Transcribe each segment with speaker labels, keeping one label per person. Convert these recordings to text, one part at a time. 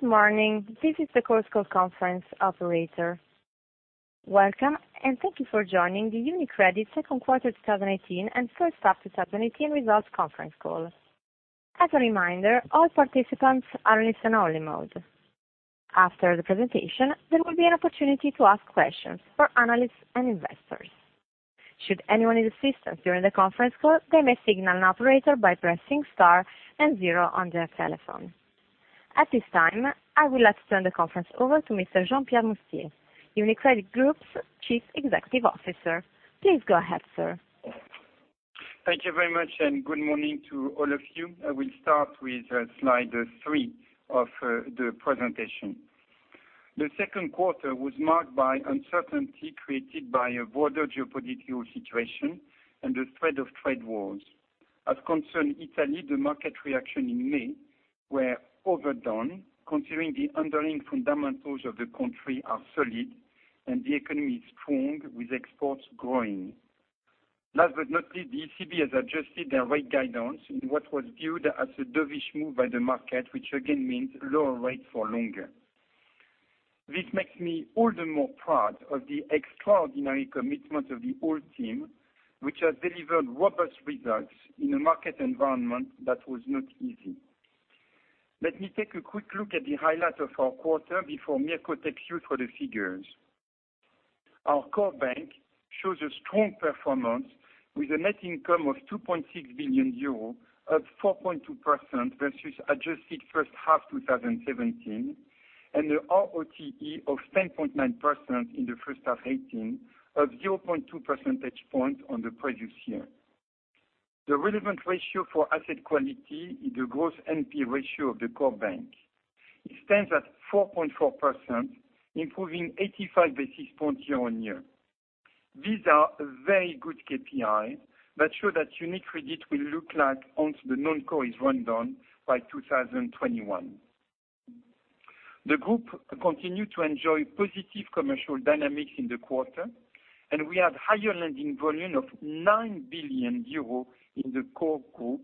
Speaker 1: Good morning. This is the chorus call conference operator. Welcome, and thank you for joining the UniCredit Second Quarter 2018 and First Half 2018 Results Conference Call. As a reminder, all participants are in listen-only mode. After the presentation, there will be an opportunity to ask questions for analysts and investors. Should anyone need assistance during the conference call, they may signal an operator by pressing Star and zero on their telephone. At this time, I would like to turn the conference over to Mr. Jean Pierre Mustier, UniCredit Group's Chief Executive Officer. Please go ahead, sir.
Speaker 2: Thank you very much. Good morning to all of you. I will start with slide three of the presentation. The second quarter was marked by uncertainty created by a broader geopolitical situation and the threat of trade wars. As concerns Italy, the market reaction in May were overdone, considering the underlying fundamentals of the country are solid and the economy is strong, with exports growing. Last but not least, the ECB has adjusted their rate guidance in what was viewed as a dovish move by the market, which again means lower rates for longer. This makes me all the more proud of the extraordinary commitment of the whole team, which has delivered robust results in a market environment that was not easy. Let me take a quick look at the highlights of our quarter before Mirko takes you through the figures. Our core bank shows a strong performance, with a net income of 2.6 billion euros, up 4.2% versus adjusted first half 2017, and an ROTE of 10.9% in the first half 2018, up 0.2 percentage points on the previous year. The relevant ratio for asset quality is the gross NP ratio of the core bank. It stands at 4.4%, improving 85 basis points year-on-year. These are very good KPIs that show what UniCredit will look like once the non-core is run down by 2021. The group continued to enjoy positive commercial dynamics in the quarter, and we had higher lending volume of 9 billion euros in the core group,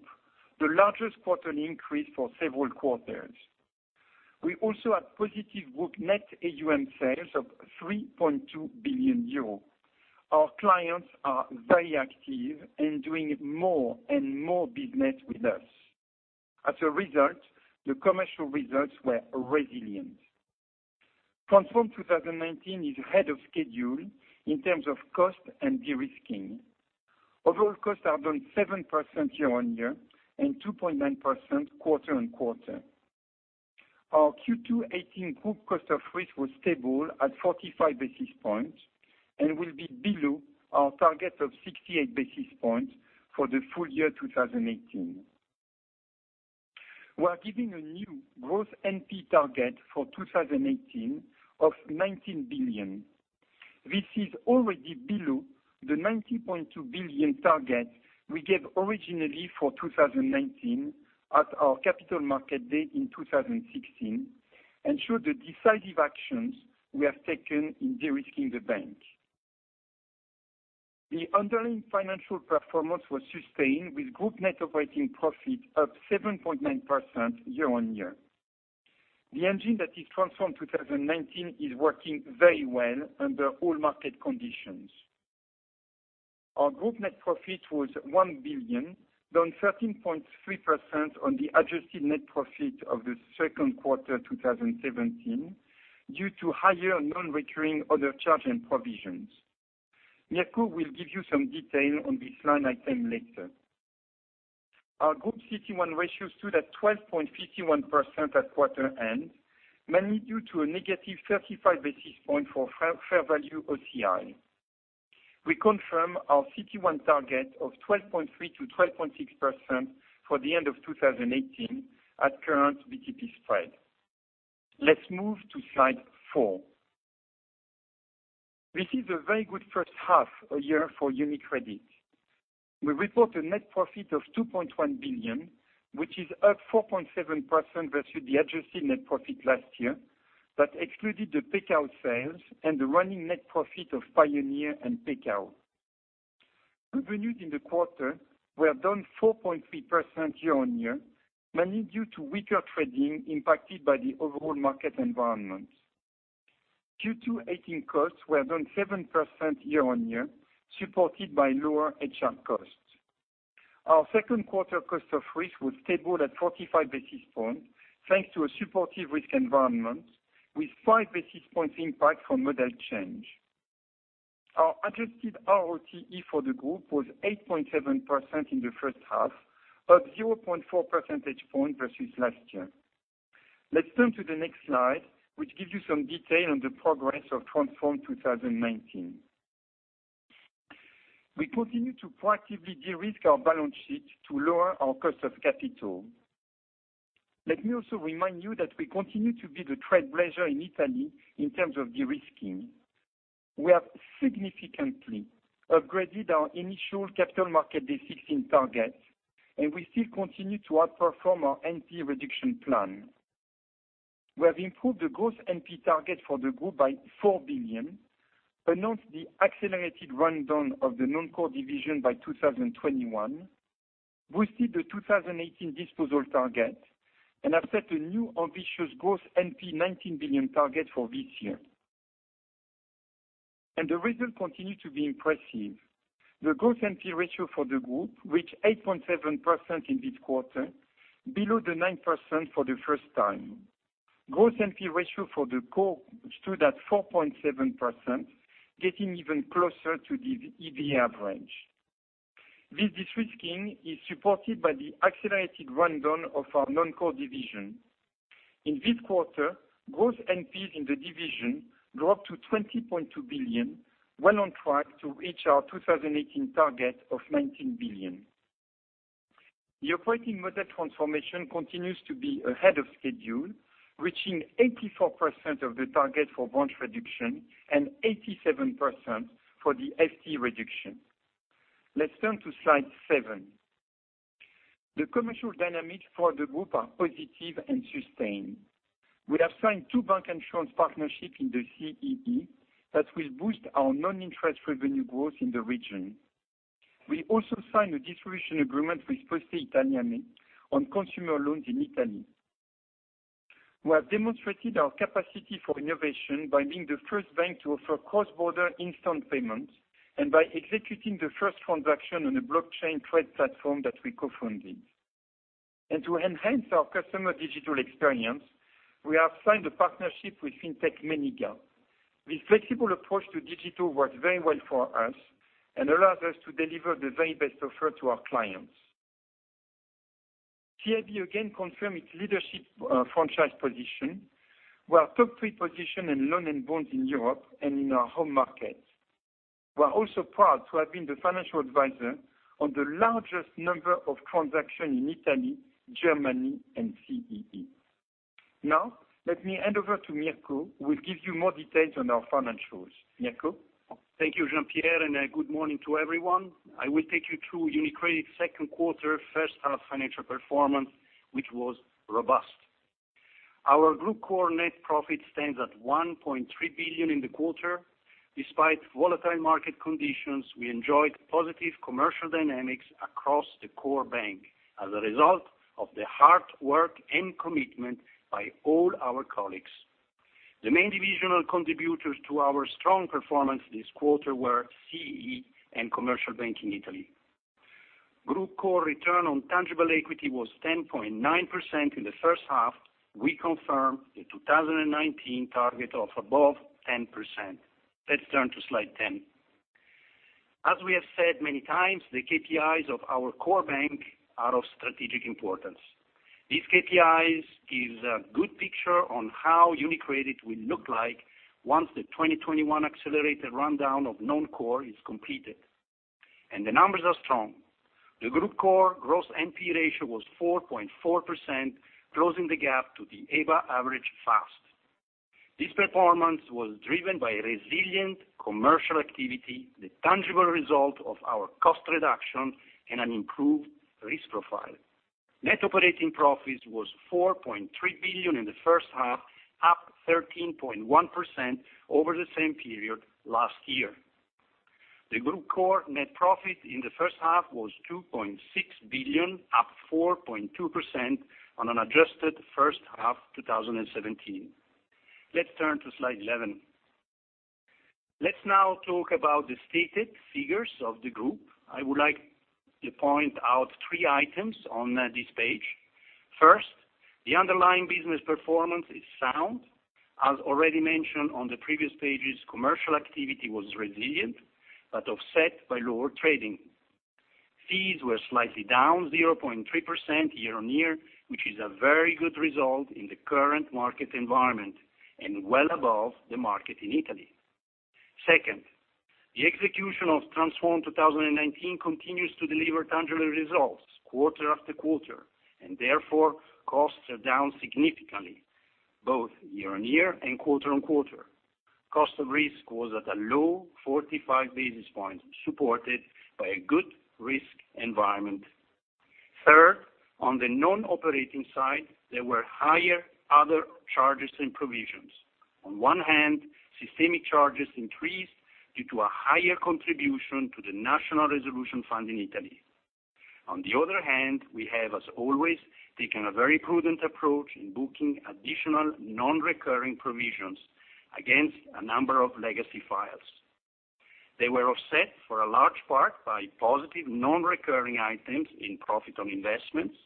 Speaker 2: the largest quarterly increase for several quarters. We also had positive group net AUM sales of 3.2 billion euros. Our clients are very active and doing more and more business with us. As a result, the commercial results were resilient. Transform 2019 is ahead of schedule in terms of cost and de-risking. Overall costs are down 7% year-on-year and 2.9% quarter-on-quarter. Our Q2 2018 group cost of risk was stable at 45 basis points and will be below our target of 68 basis points for the full year 2018. We are giving a new gross NP target for 2018 of 19 billion. This is already below the 19.2 Billion target we gave originally for 2019 at our Capital Markets Day in 2016, and show the decisive actions we have taken in de-risking the bank. The underlying financial performance was sustained, with group net operating profit up 7.9% year-on-year. The engine that is Transform 2019 is working very well under all market conditions. Our group net profit was 1 billion, down 13.3% on the adjusted net profit of the second quarter 2017 due to higher non-recurring other charge and provisions. Mirko will give you some detail on this line item later. Our Group CET1 ratio stood at 12.51% at quarter end, mainly due to a negative 35 basis point for fair value OCI. We confirm our CET1 target of 12.3%-12.6% for the end of 2018 at current BTP spread. Let's move to slide four. This is a very good first half a year for UniCredit. We report a net profit of 2.1 billion, which is up 4.7% versus the adjusted net profit last year, that excluded the Bank Pekao sales and the running net profit of Pioneer and Bank Pekao. Revenues in the quarter were down 4.3% year-over-year, mainly due to weaker trading impacted by the overall market environment. Q2 2018 costs were down 7% year-over-year, supported by lower HR costs. Our second quarter cost of risk was stable at 45 basis points, thanks to a supportive risk environment with five basis points impact from model change. Our adjusted ROTE for the group was 8.7% in the first half, up 0.4 percentage points versus last year. Let's turn to the next slide, which gives you some detail on the progress of Transform 2019. We continue to proactively de-risk our balance sheet to lower our cost of capital. Let me also remind you that we continue to be the trailblazer in Italy in terms of de-risking. We have significantly upgraded our initial Capital Markets Day 2016 targets. We still continue to outperform our NPE reduction plan. We have improved the gross NPE target for the group by 4 billion, announced the accelerated rundown of the non-core division by 2021. Boosted the 2018 disposal target and have set a new ambitious gross NPE 19 billion target for this year. The results continue to be impressive. The gross NPE ratio for the group reached 8.7% in this quarter, below the 9% for the first time. Gross NPE ratio for the core stood at 4.7%, getting even closer to the EBA average. This de-risking is supported by the accelerated rundown of our non-core division. In this quarter, gross NPEs in the division grew up to 20.2 billion, well on track to reach our 2018 target of 19 billion. The operating model transformation continues to be ahead of schedule, reaching 84% of the target for branch reduction and 87% for the FTE reduction. Let's turn to slide seven. The commercial dynamics for the group are positive and sustained. We have signed two bancassurance partnership in the CEE that will boost our non-interest revenue growth in the region. We also signed a distribution agreement with Poste Italiane on consumer loans in Italy. We have demonstrated our capacity for innovation by being the first bank to offer cross-border instant payments, and by executing the first transaction on the blockchain trade platform that we co-funded. To enhance our customer digital experience, we have signed a partnership with Fintech Meniga. This flexible approach to digital works very well for us and allows us to deliver the very best offer to our clients. CIB again confirmed its leadership franchise position. We are top three position in loan and bonds in Europe and in our home market. We are also proud to have been the financial advisor on the largest number of transactions in Italy, Germany, and CEE. Let me hand over to Mirko, who will give you more details on our financials. Mirko?
Speaker 3: Thank you, Jean-Pierre. Good morning to everyone. I will take you through UniCredit's second quarter, first half financial performance, which was robust. Our Group Core net profit stands at 1.3 billion in the quarter. Despite volatile market conditions, we enjoyed positive commercial dynamics across the core bank as a result of the hard work and commitment by all our colleagues. The main divisional contributors to our strong performance this quarter were CEE and Commercial Banking Italy. Group Core return on tangible equity was 10.9% in the first half. We confirm the 2019 target of above 10%. Let's turn to slide 10. As we have said many times, the KPIs of our core bank are of strategic importance. These KPIs give a good picture on how UniCredit will look like once the 2021 accelerated rundown of non-core is completed. The numbers are strong. The Group Core gross NP ratio was 4.4%, closing the gap to the European Banking Authority average fast. This performance was driven by resilient commercial activity, the tangible result of our cost reduction and an improved risk profile. Net operating profit was 4.3 billion in the first half, up 13.1% over the same period last year. The Group Core net profit in the first half was 2.6 billion, up 4.2% on an adjusted first half 2017. Let's turn to slide 11. Let's now talk about the stated figures of the group. I would like to point out three items on this page. First, the underlying business performance is sound. As already mentioned on the previous pages, commercial activity was resilient but offset by lower trading. Fees were slightly down 0.3% year-on-year, which is a very good result in the current market environment and well above the market in Italy. Second, the execution of Transform 2019 continues to deliver tangible results quarter after quarter. Therefore, costs are down significantly, both year-on-year and quarter-on-quarter. Cost of risk was at a low 45 basis points, supported by a good risk environment. Third, on the non-operating side, there were higher other charges and provisions. On one hand, systemic charges increased due to a higher contribution to the National Resolution Fund in Italy. On the other hand, we have, as always, taken a very prudent approach in booking additional non-recurring provisions against a number of legacy files. They were offset for a large part by positive non-recurring items in profit on investments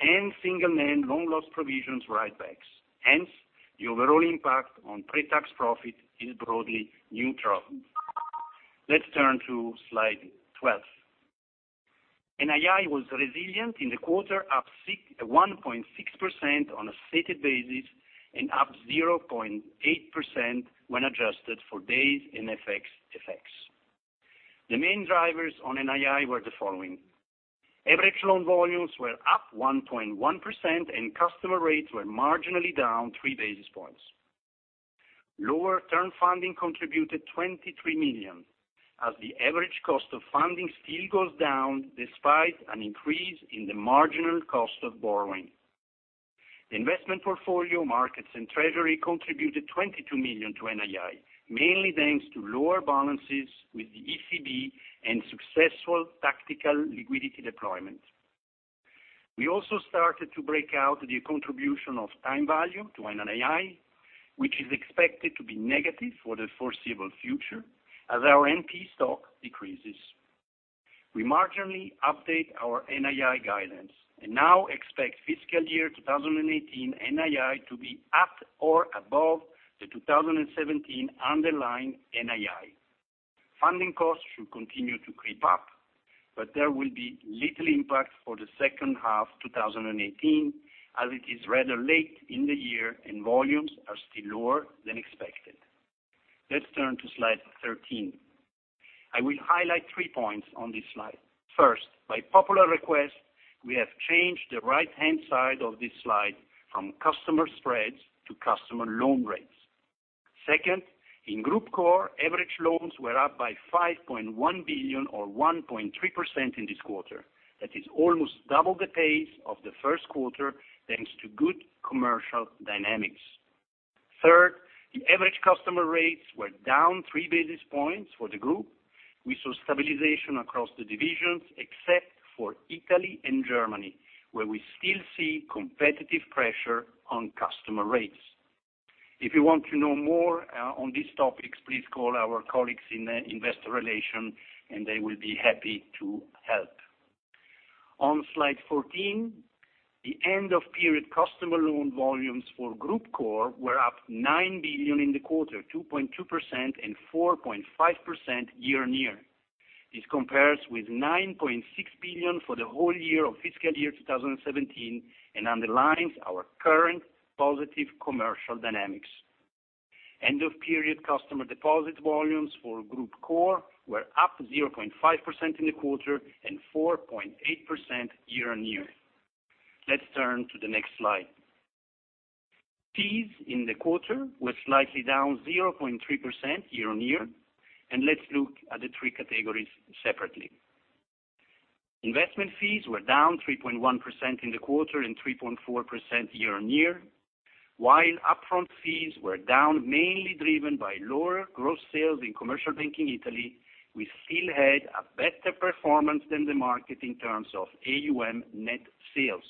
Speaker 3: and single name loan loss provisions write-backs. Hence, the overall impact on pre-tax profit is broadly neutral. Let's turn to slide 12. NII was resilient in the quarter, up 1.6% on a stated basis and up 0.8% when adjusted for days and FX effects. The main drivers on NII were the following. Average loan volumes were up 1.1% and customer rates were marginally down three basis points. Lower term funding contributed 23 million, as the average cost of funding still goes down despite an increase in the marginal cost of borrowing. The investment portfolio, markets, and treasury contributed 22 million to NII, mainly thanks to lower balances with the ECB and successful tactical liquidity deployment. We also started to break out the contribution of time value to NII, which is expected to be negative for the foreseeable future as our NP stock decreases. We marginally update our NII guidance and now expect fiscal year 2018 NII to be at or above the 2017 underlying NII. Funding costs should continue to creep up, but there will be little impact for the second half 2018, as it is rather late in the year and volumes are still lower than expected. Let's turn to slide 13. I will highlight three points on this slide. First, by popular request, we have changed the right-hand side of this slide from customer spreads to customer loan rates. Second, in Group Core, average loans were up by 5.1 billion or 1.3% in this quarter. That is almost double the pace of the first quarter, thanks to good commercial dynamics. Third, the average customer rates were down three basis points for the group. We saw stabilization across the divisions, except for Italy and Germany, where we still see competitive pressure on customer rates. If you want to know more on these topics, please call our colleagues in Investor Relations and they will be happy to help. On slide 14, the end-of-period customer loan volumes for Group Core were up 9 billion in the quarter, 2.2% and 4.5% year-on-year. This compares with 9.6 billion for the whole year of fiscal year 2017 and underlines our current positive commercial dynamics. End-of-period customer deposit volumes for Group Core were up 0.5% in the quarter and 4.8% year-on-year. Let's turn to the next slide. Fees in the quarter were slightly down 0.3% year-on-year. Let's look at the three categories separately. Investment fees were down 3.1% in the quarter and 3.4% year-on-year. While upfront fees were down, mainly driven by lower gross sales in Commercial Banking Italy, we still had a better performance than the market in terms of AUM net sales.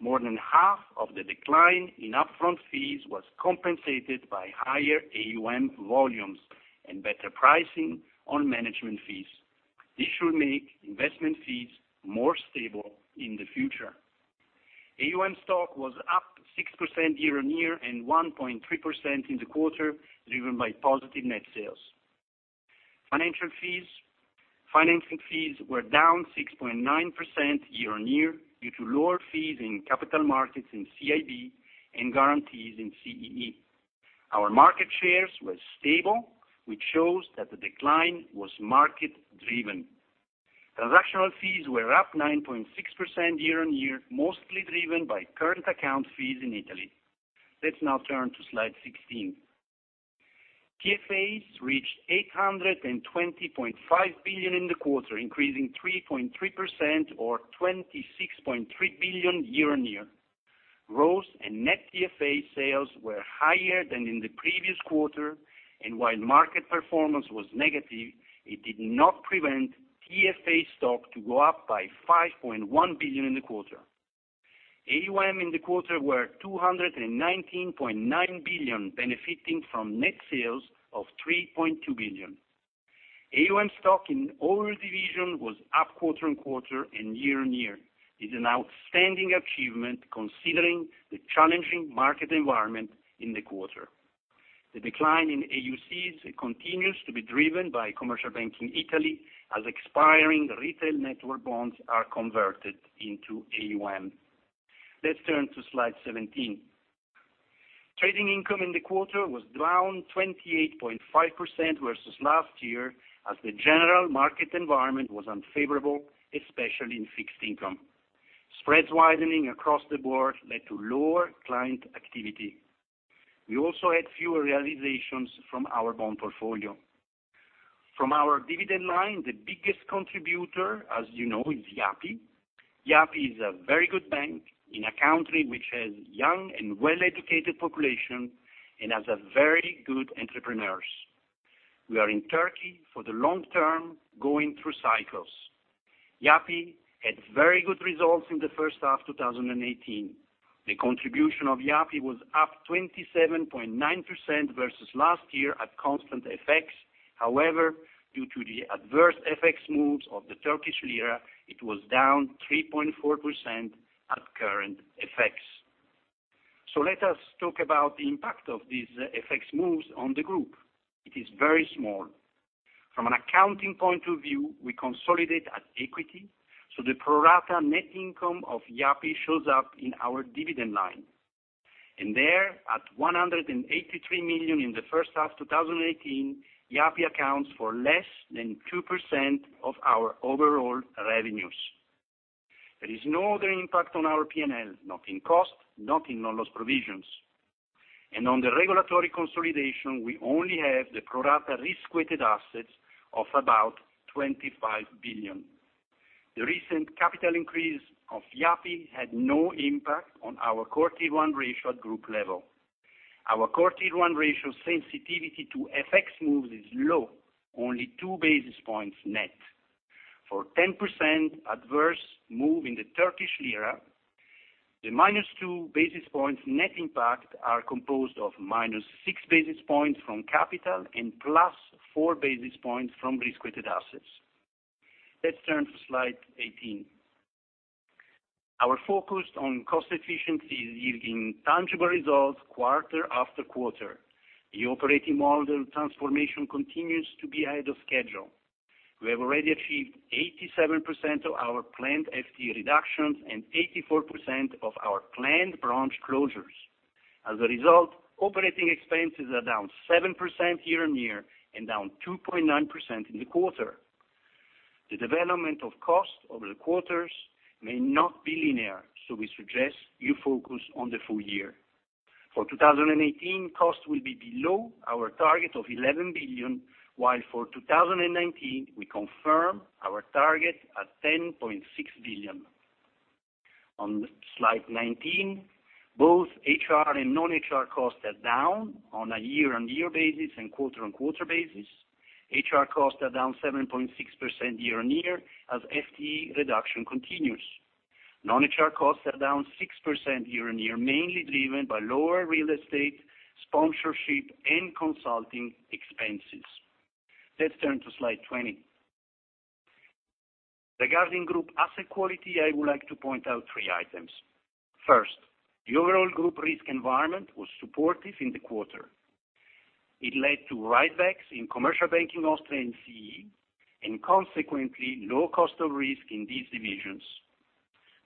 Speaker 3: More than half of the decline in upfront fees was compensated by higher AUM volumes and better pricing on management fees. This should make investment fees more stable in the future. AUM stock was up 6% year-on-year and 1.3% in the quarter, driven by positive net sales. Financing fees were down 6.9% year-on-year due to lower fees in capital markets in CIB and guarantees in CEE. Our market shares were stable, which shows that the decline was market-driven. Transactional fees were up 9.6% year-on-year, mostly driven by current account fees in Italy. Let's now turn to slide 16. TFAs reached 820.5 billion in the quarter, increasing 3.3% or 26.3 billion year-on-year. Growth and net TFA sales were higher than in the previous quarter, while market performance was negative, it did not prevent TFA stock to go up by 5.1 billion in the quarter. AUM in the quarter were 219.9 billion, benefiting from net sales of 3.2 billion. AUM stock in all division was up quarter-on-quarter and year-on-year. It is an outstanding achievement considering the challenging market environment in the quarter. The decline in AUC continues to be driven by Commercial Banking Italy as expiring retail network bonds are converted into AUM. Let's turn to slide 17. Trading income in the quarter was down 28.5% versus last year as the general market environment was unfavorable, especially in fixed income. Spreads widening across the board led to lower client activity. We also had fewer realizations from our bond portfolio. From our dividend line, the biggest contributor, as you know, is Yapı. Yapı is a very good bank in a country which has young and well-educated population and has very good entrepreneurs. We are in Turkey for the long term, going through cycles. Yapı had very good results in the first half of 2018. The contribution of Yapı was up 27.9% versus last year at constant FX. However, due to the adverse FX moves of the Turkish lira, it was down 3.4% at current FX. Let us talk about the impact of these FX moves on the group. It is very small. From an accounting point of view, we consolidate at equity, so the pro rata net income of Yapı shows up in our dividend line. There, at 183 million in the first half 2018, Yapı accounts for less than 2% of our overall revenues. There is no other impact on our P&L, not in cost, not in loan loss provisions. On the regulatory consolidation, we only have the pro-rata risk-weighted assets of about 25 billion. The recent capital increase of Yapı had no impact on our Core Tier 1 ratio at group level. Our Core Tier 1 ratio sensitivity to FX moves is low, only 2 basis points net. For 10% adverse move in the Turkish lira, the minus 2 basis points net impact are composed of minus 6 basis points from capital and plus 4 basis points from risk-weighted assets. Let's turn to slide 18. Our focus on cost efficiency is yielding tangible results quarter after quarter. The operating model transformation continues to be ahead of schedule. We have already achieved 87% of our planned FTE reductions and 84% of our planned branch closures. As a result, operating expenses are down 7% year-on-year and down 2.9% in the quarter. The development of cost over the quarters may not be linear, we suggest you focus on the full year. For 2018, costs will be below our target of 11 billion, while for 2019, we confirm our target at 10.6 billion. On slide 19, both HR and non-HR costs are down on a year-on-year basis and quarter-on-quarter basis. HR costs are down 7.6% year-on-year as FTE reduction continues. Non-HR costs are down 6% year-on-year, mainly driven by lower real estate, sponsorship, and consulting expenses. Let's turn to slide 20. Regarding group asset quality, I would like to point out three items. First, the overall group risk environment was supportive in the quarter. It led to write-backs in Commercial Banking Austria and CEE, consequently, low cost of risk in these divisions.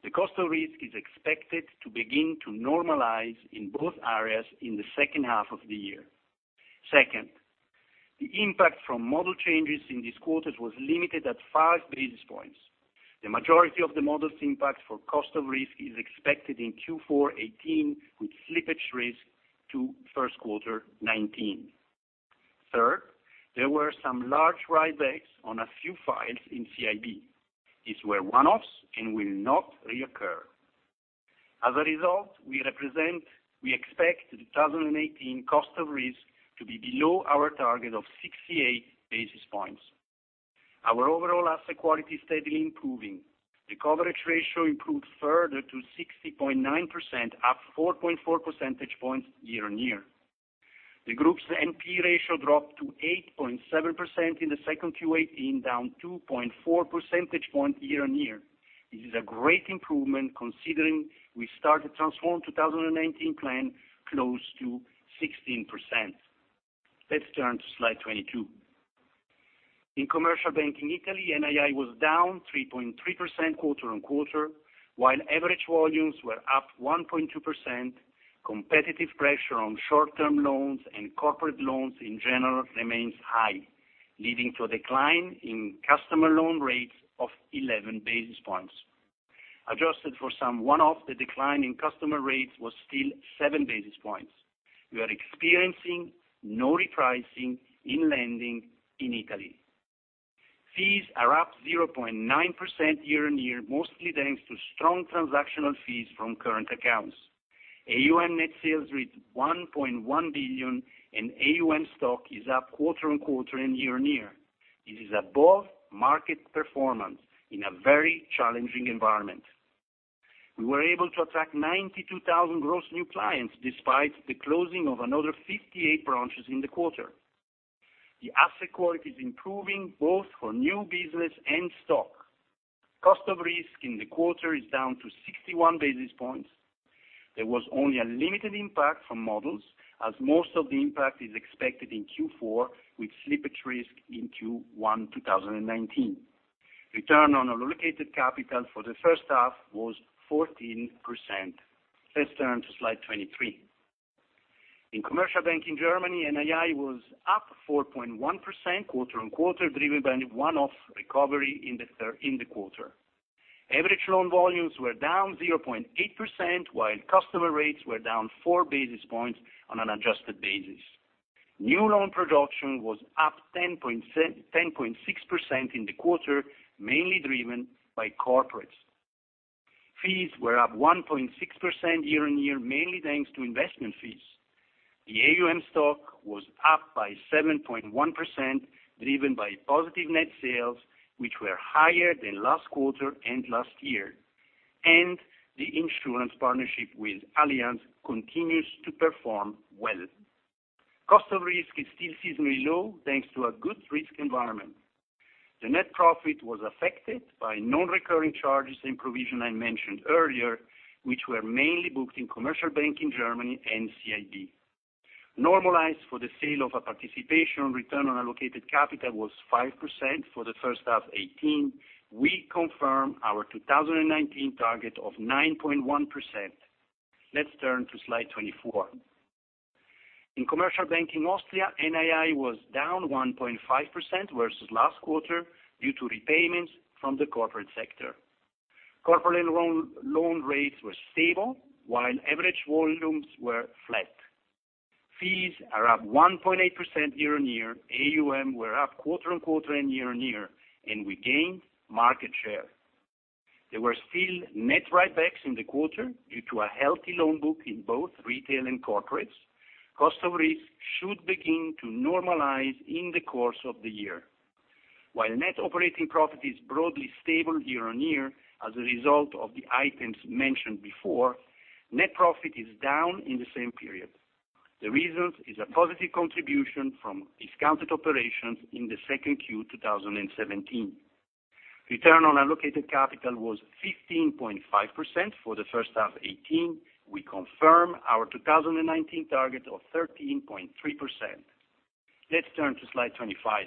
Speaker 3: The cost of risk is expected to begin to normalize in both areas in the second half of the year. Second, the impact from model changes in this quarter was limited at five basis points. The majority of the models impact for cost of risk is expected in Q4 2018, with slippage risk to first quarter 2019. Third, there were some large write-backs on a few files in CIB. These were one-offs and will not reoccur. As a result, we expect the 2018 cost of risk to be below our target of 68 basis points. Our overall asset quality is steadily improving. The coverage ratio improved further to 60.9%, up 4.4 percentage points year-on-year. The group's NPE ratio dropped to 8.7% in the 2Q 2018, down 2.4 percentage points year-on-year. This is a great improvement considering we started Transform 2019 plan close to 16%. Let's turn to slide 22. In Commercial Banking Italy, NII was down 3.3% quarter-on-quarter. While average volumes were up 1.2%, competitive pressure on short-term loans and corporate loans in general remains high, leading to a decline in customer loan rates of 11 basis points. Adjusted for some one-off, the decline in customer rates was still seven basis points. We are experiencing no repricing in lending in Italy. Fees are up 0.9% year-on-year, mostly thanks to strong transactional fees from current accounts. AUM net sales reached 1.1 billion and AUM stock is up quarter-on-quarter and year-on-year. This is above market performance in a very challenging environment. We were able to attract 92,000 gross new clients despite the closing of another 58 branches in the quarter. The asset quality is improving both for new business and stock. Cost of risk in the quarter is down to 61 basis points. There was only a limited impact from models as most of the impact is expected in Q4 2018, with slippage risk in Q1 2019. Return on allocated capital for the first half was 14%. Let's turn to slide 23. In Commercial Banking Germany, NII was up 4.1% quarter-on-quarter, driven by one-off recovery in the quarter. Average loan volumes were down 0.8%, while customer rates were down four basis points on an adjusted basis. New loan production was up 10.6% in the quarter, mainly driven by corporates. Fees were up 1.6% year-on-year, mainly thanks to investment fees. The AUM stock was up by 7.1%, driven by positive net sales, which were higher than last quarter and last year, and the insurance partnership with Allianz continues to perform well. Cost of risk is still seasonally low, thanks to a good risk environment. The net profit was affected by non-recurring charges and provision I mentioned earlier, which were mainly booked in Commercial Banking Germany and CIB. Normalized for the sale of a participation, return on allocated capital was 5% for the first half 2018. We confirm our 2019 target of 9.1%. Let's turn to slide 24. In Commercial Banking Austria, NII was down 1.5% versus last quarter due to repayments from the corporate sector. Corporate loan rates were stable, while average volumes were flat. Fees are up 1.8% year-on-year, AUM were up quarter-on-quarter and year-on-year, and we gained market share. There were still net write-backs in the quarter due to a healthy loan book in both retail and corporates. Cost of risk should begin to normalize in the course of the year. While net operating profit is broadly stable year-on-year as a result of the items mentioned before, net profit is down in the same period. The result is a positive contribution from discounted operations in the Q2 2017. Return on allocated capital was 15.5% for the first half 2018. We confirm our 2019 target of 13.3%. Let's turn to slide 25.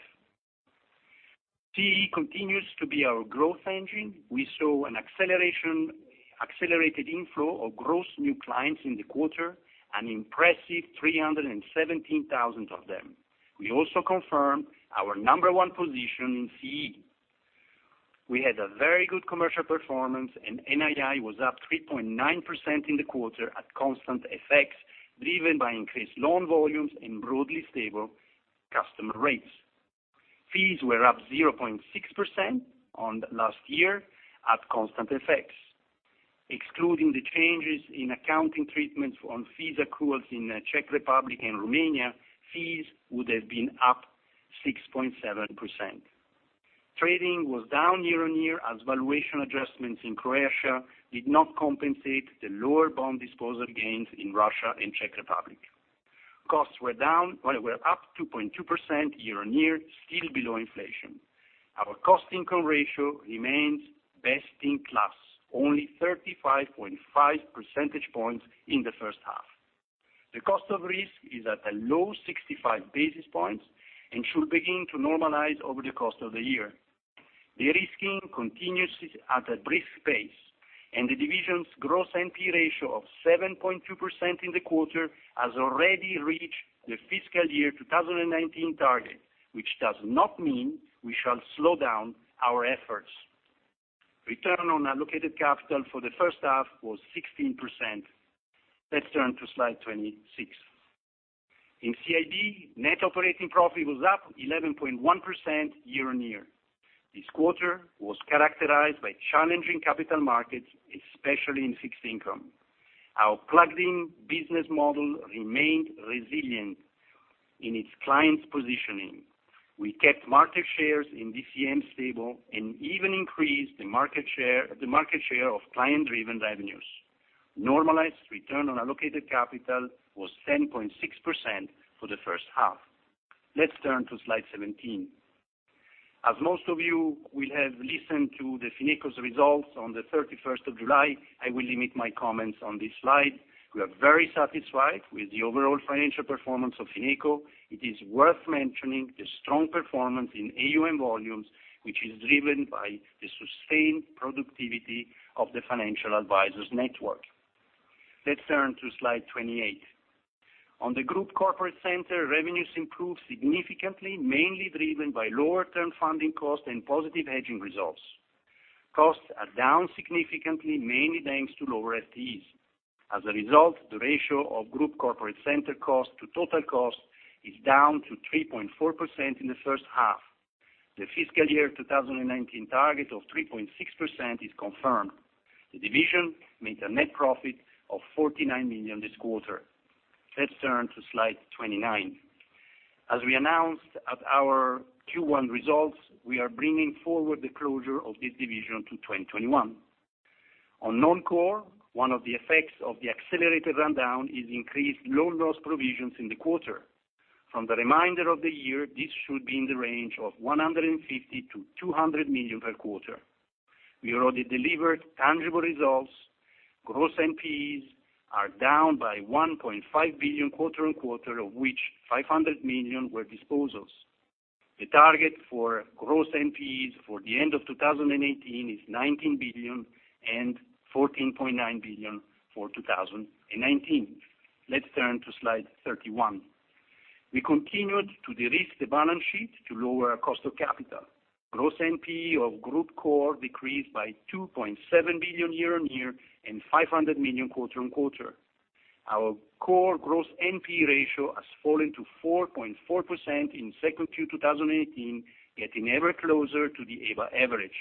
Speaker 3: CEE continues to be our growth engine. We saw an accelerated inflow of gross new clients in the quarter, an impressive 317,000 of them. We also confirmed our number one position in CEE. We had a very good commercial performance, NII was up 3.9% in the quarter at constant FX, driven by increased loan volumes and broadly stable customer rates. Fees were up 0.6% on last year at constant FX. Excluding the changes in accounting treatments on fees accruals in Czech Republic and Romania, fees would have been up 6.7%. Trading was down year-on-year as valuation adjustments in Croatia did not compensate the lower bond disposal gains in Russia and Czech Republic. Costs were up 2.2% year-on-year, still below inflation. Our cost-income ratio remains best-in-class, only 35.5 percentage points in the first half. The cost of risk is at a low 65 basis points and should begin to normalize over the course of the year. De-risking continues at a brisk pace, and the division's gross NPE ratio of 7.2% in the quarter has already reached the fiscal year 2019 target, which does not mean we shall slow down our efforts. Return on allocated capital for the first half was 16%. Let's turn to slide 26. In CIB, net operating profit was up 11.1% year-on-year. This quarter was characterized by challenging capital markets, especially in fixed income. Our plugged-in business model remained resilient in its clients positioning. We kept market shares in DCM stable and even increased the market share of client-driven revenues. Normalized return on allocated capital was 10.6% for the first half. Let's turn to slide 17. As most of you will have listened to Fineco's results on the 31st of July, I will limit my comments on this slide. We are very satisfied with the overall financial performance of Fineco. It is worth mentioning the strong performance in AUM volumes, which is driven by the sustained productivity of the financial advisors network. Let's turn to slide 28. On the Group Corporate Center, revenues improved significantly, mainly driven by lower term funding costs and positive hedging results. Costs are down significantly, mainly thanks to lower FTEs. As a result, the ratio of Group Corporate Center cost to total cost is down to 3.4% in the first half. The fiscal year 2019 target of 3.6% is confirmed. The division made a net profit of 49 million this quarter. Let's turn to slide 29. As we announced at our Q1 results, we are bringing forward the closure of this division to 2021. On non-core, one of the effects of the accelerated rundown is increased loan loss provisions in the quarter. From the remainder of the year, this should be in the range of 150 million-200 million per quarter. We already delivered tangible results. Gross NPEs are down by 1.5 billion quarter-on-quarter, of which 500 million were disposals. The target for gross NPEs for the end of 2018 is 19 billion and 14.9 billion for 2019. Let's turn to slide 31. We continued to de-risk the balance sheet to lower our cost of capital. Gross NPE of Group Core decreased by 2.7 billion year-on-year and 500 million quarter-on-quarter. Our core gross NPE ratio has fallen to 4.4% in second Q 2018, getting ever closer to the EBA average.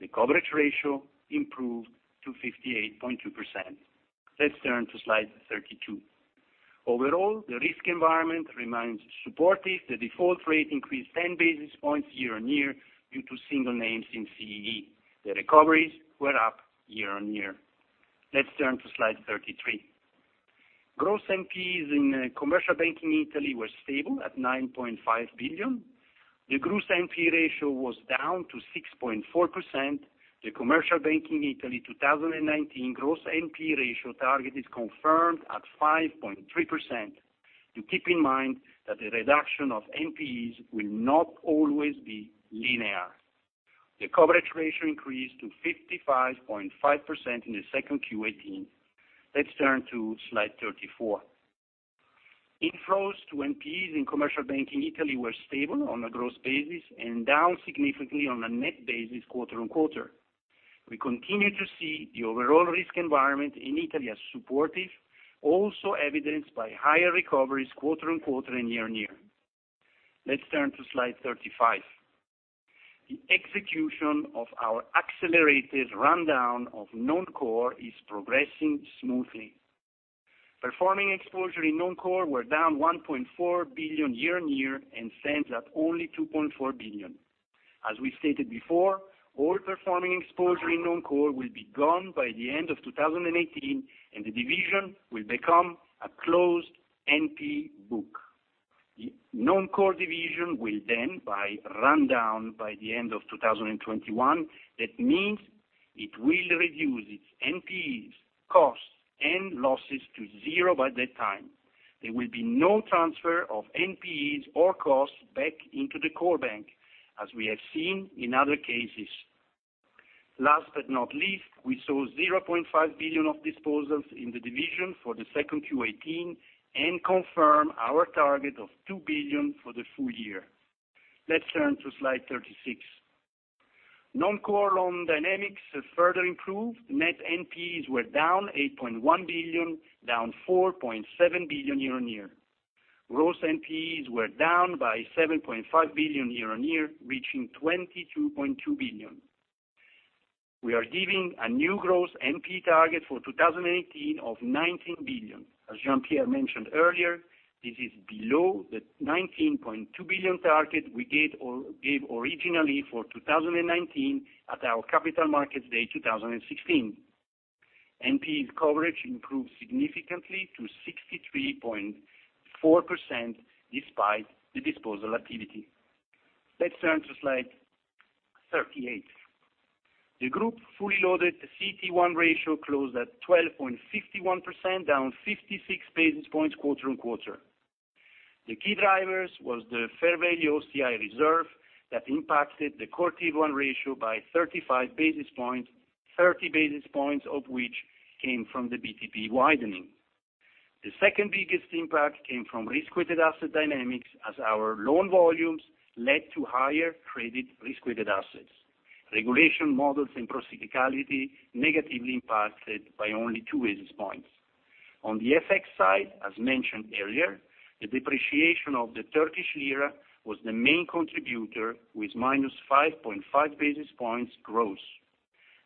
Speaker 3: The coverage ratio improved to 58.2%. Let's turn to slide 32. Overall, the risk environment remains supportive. The default rate increased 10 basis points year-on-year due to single names in CEE. The recoveries were up year-on-year. Let's turn to slide 33. Gross NPEs in Commercial Banking Italy were stable at 9.5 billion. The gross NPE ratio was down to 6.4%. The Commercial Banking Italy 2019 gross NPE ratio target is confirmed at 5.3%. Keep in mind that the reduction of NPEs will not always be linear. The coverage ratio increased to 55.5% in the second Q18. Let's turn to slide 34. Inflows to NPEs in Commercial Banking Italy were stable on a gross basis and down significantly on a net basis quarter-on-quarter. We continue to see the overall risk environment in Italy as supportive, also evidenced by higher recoveries quarter-on-quarter and year-on-year. Let's turn to slide 35. The execution of our accelerated rundown of non-core is progressing smoothly. Performing exposure in non-core were down 1.4 billion year-on-year and stands at only 2.4 billion. As we've stated before, all performing exposure in non-core will be gone by the end of 2018, and the division will become a closed NPE book. The non-core division will then be rundown by the end of 2021. That means it will reduce its NPEs costs and losses to zero by that time. There will be no transfer of NPEs or costs back into the core bank, as we have seen in other cases. Last but not least, we saw 0.5 billion of disposals in the division for the second Q18 and confirm our target of 2 billion for the full year. Let's turn to slide 36. Non-core loan dynamics has further improved. Net NPEs were down 8.1 billion, down 4.7 billion year-on-year. Gross NPEs were down by 7.5 billion year-on-year, reaching 22.2 billion. We are giving a new gross NPE target for 2018 of 19 billion. As Jean-Pierre mentioned earlier, this is below the 19.2 billion target we gave originally for 2019 at our Capital Markets Day 2016. NPE coverage improved significantly to 63.4% despite the disposal activity. Let's turn to slide 38. The group fully loaded CT1 ratio closed at 12.51%, down 56 basis points quarter-on-quarter. The key drivers were the fair value OCI reserve that impacted the CET1 ratio by 35 basis points, 30 basis points of which came from the BTP widening. The second biggest impact came from risk-weighted asset dynamics, as our loan volumes led to higher credit risk-weighted assets. Regulation models and procyclicality negatively impacted by only 2 basis points. On the FX side, as mentioned earlier, the depreciation of the Turkish lira was the main contributor, with -5.5 basis points gross.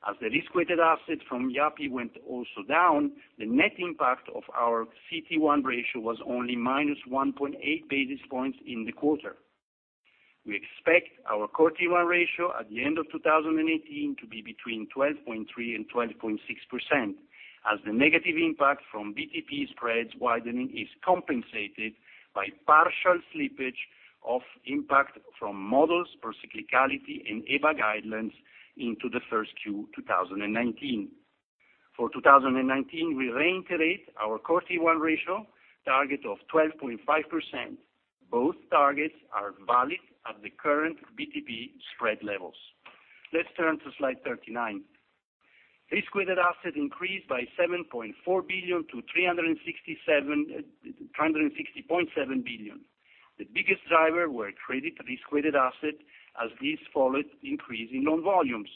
Speaker 3: As the risk-weighted asset from Yapı went also down, the net impact of our CT1 ratio was only -1.8 basis points in the quarter. We expect our CET1 ratio at the end of 2018 to be between 12.3%-12.6%, as the negative impact from BTP spreads widening is compensated by partial slippage of impact from models, procyclicality, and EBA guidelines into the 1Q 2019. For 2019, we reiterate our Core T1 ratio target of 12.5%. Both targets are valid at the current BTP spread levels. Let's turn to slide 39. Risk-weighted assets increased by 7.4 billion to 360.7 billion. The biggest driver were credit risk-weighted assets, as this followed increase in loan volumes.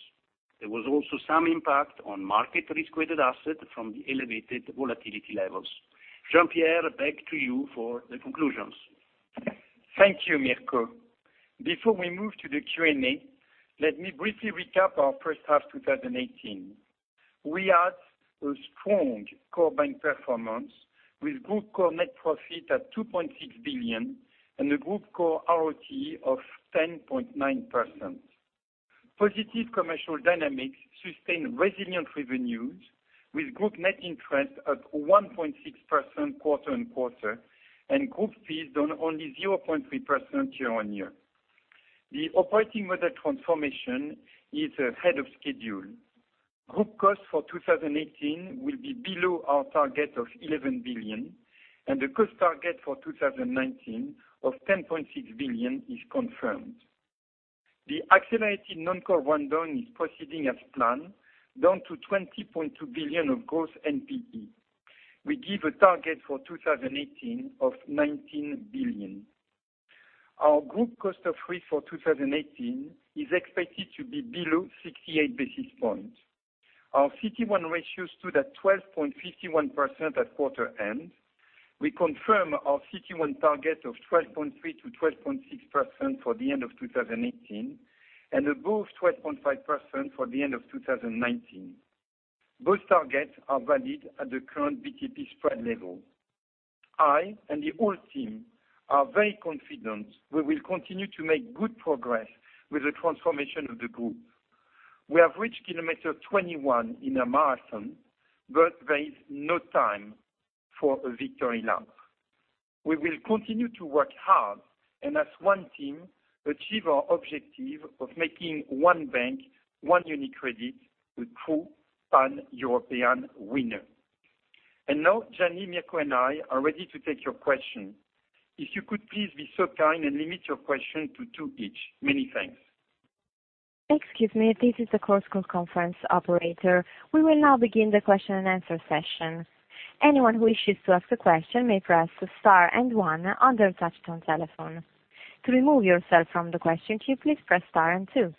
Speaker 3: There was also some impact on market risk-weighted assets from the elevated volatility levels. Jean-Pierre, back to you for the conclusions.
Speaker 2: Thank you, Mirko. Before we move to the Q&A, let me briefly recap our first half of 2018. We had a strong core bank performance with group core net profit at 2.6 billion and a group core ROTE of 10.9%. Positive commercial dynamics sustained resilient revenues, with group NII up 1.6% quarter-on-quarter and group fees down only 0.3% year-on-year. The operating model transformation is ahead of schedule. Group costs for 2018 will be below our target of 11 billion, and the cost target for 2019 of 10.6 billion is confirmed. The accelerated non-core rundown is proceeding as planned, down to 20.2 billion of gross NPE. We give a target for 2018 of 19 billion. Our group cost of risk for 2018 is expected to be below 68 basis points. Our CT1 ratio stood at 12.51% at quarter end. We confirm our CT1 target of 12.3%-12.6% for the end of 2018 and above 12.5% for the end of 2019. Both targets are valid at the current BTP spread level. I and the whole team are very confident we will continue to make good progress with the transformation of the Group. We have reached kilometer 21 in a marathon, but there is no time for a victory lap. We will continue to work hard and as one team, achieve our objective of making one bank, one UniCredit, a true Pan-European winner. And now, Gianni, Mirko, and I are ready to take your questions. If you could please be so kind and limit your questions to two each. Many thanks.
Speaker 1: Excuse me, this is the conference call operator. We will now begin the question-and-answer session. Anyone who wishes to ask a question may press star and one on their touch-tone telephone. To remove yourself from the question queue, please press star and two.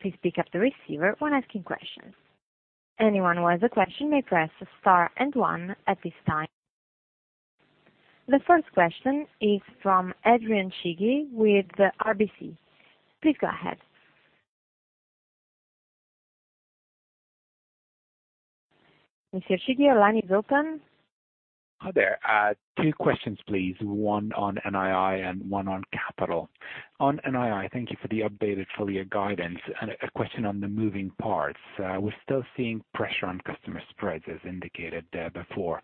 Speaker 1: Please pick up the receiver when asking questions. Anyone who has a question may press star and one at this time. The first question is from Adrian Cigi with RBC. Please go ahead. Mr. Cighi, your line is open.
Speaker 4: Hi there. Two questions, please. One on NII and one on capital. On NII, thank you for the updated full-year guidance, a question on the moving parts. We're still seeing pressure on customer spreads as indicated there before.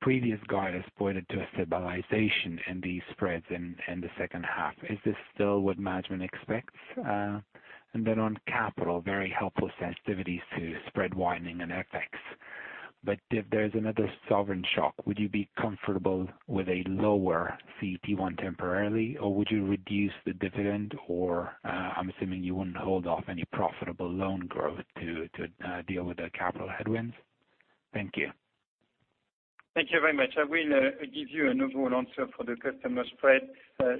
Speaker 4: Previous guidance pointed to a stabilization in these spreads in the second half. Is this still what management expects? On capital, very helpful sensitivities to spread widening and FX. If there's another sovereign shock, would you be comfortable with a lower CET1 temporarily, or would you reduce the dividend, or I'm assuming you wouldn't hold off any profitable loan growth to deal with the capital headwinds? Thank you.
Speaker 2: Thank you very much. I will give you an overall answer for the customer spread.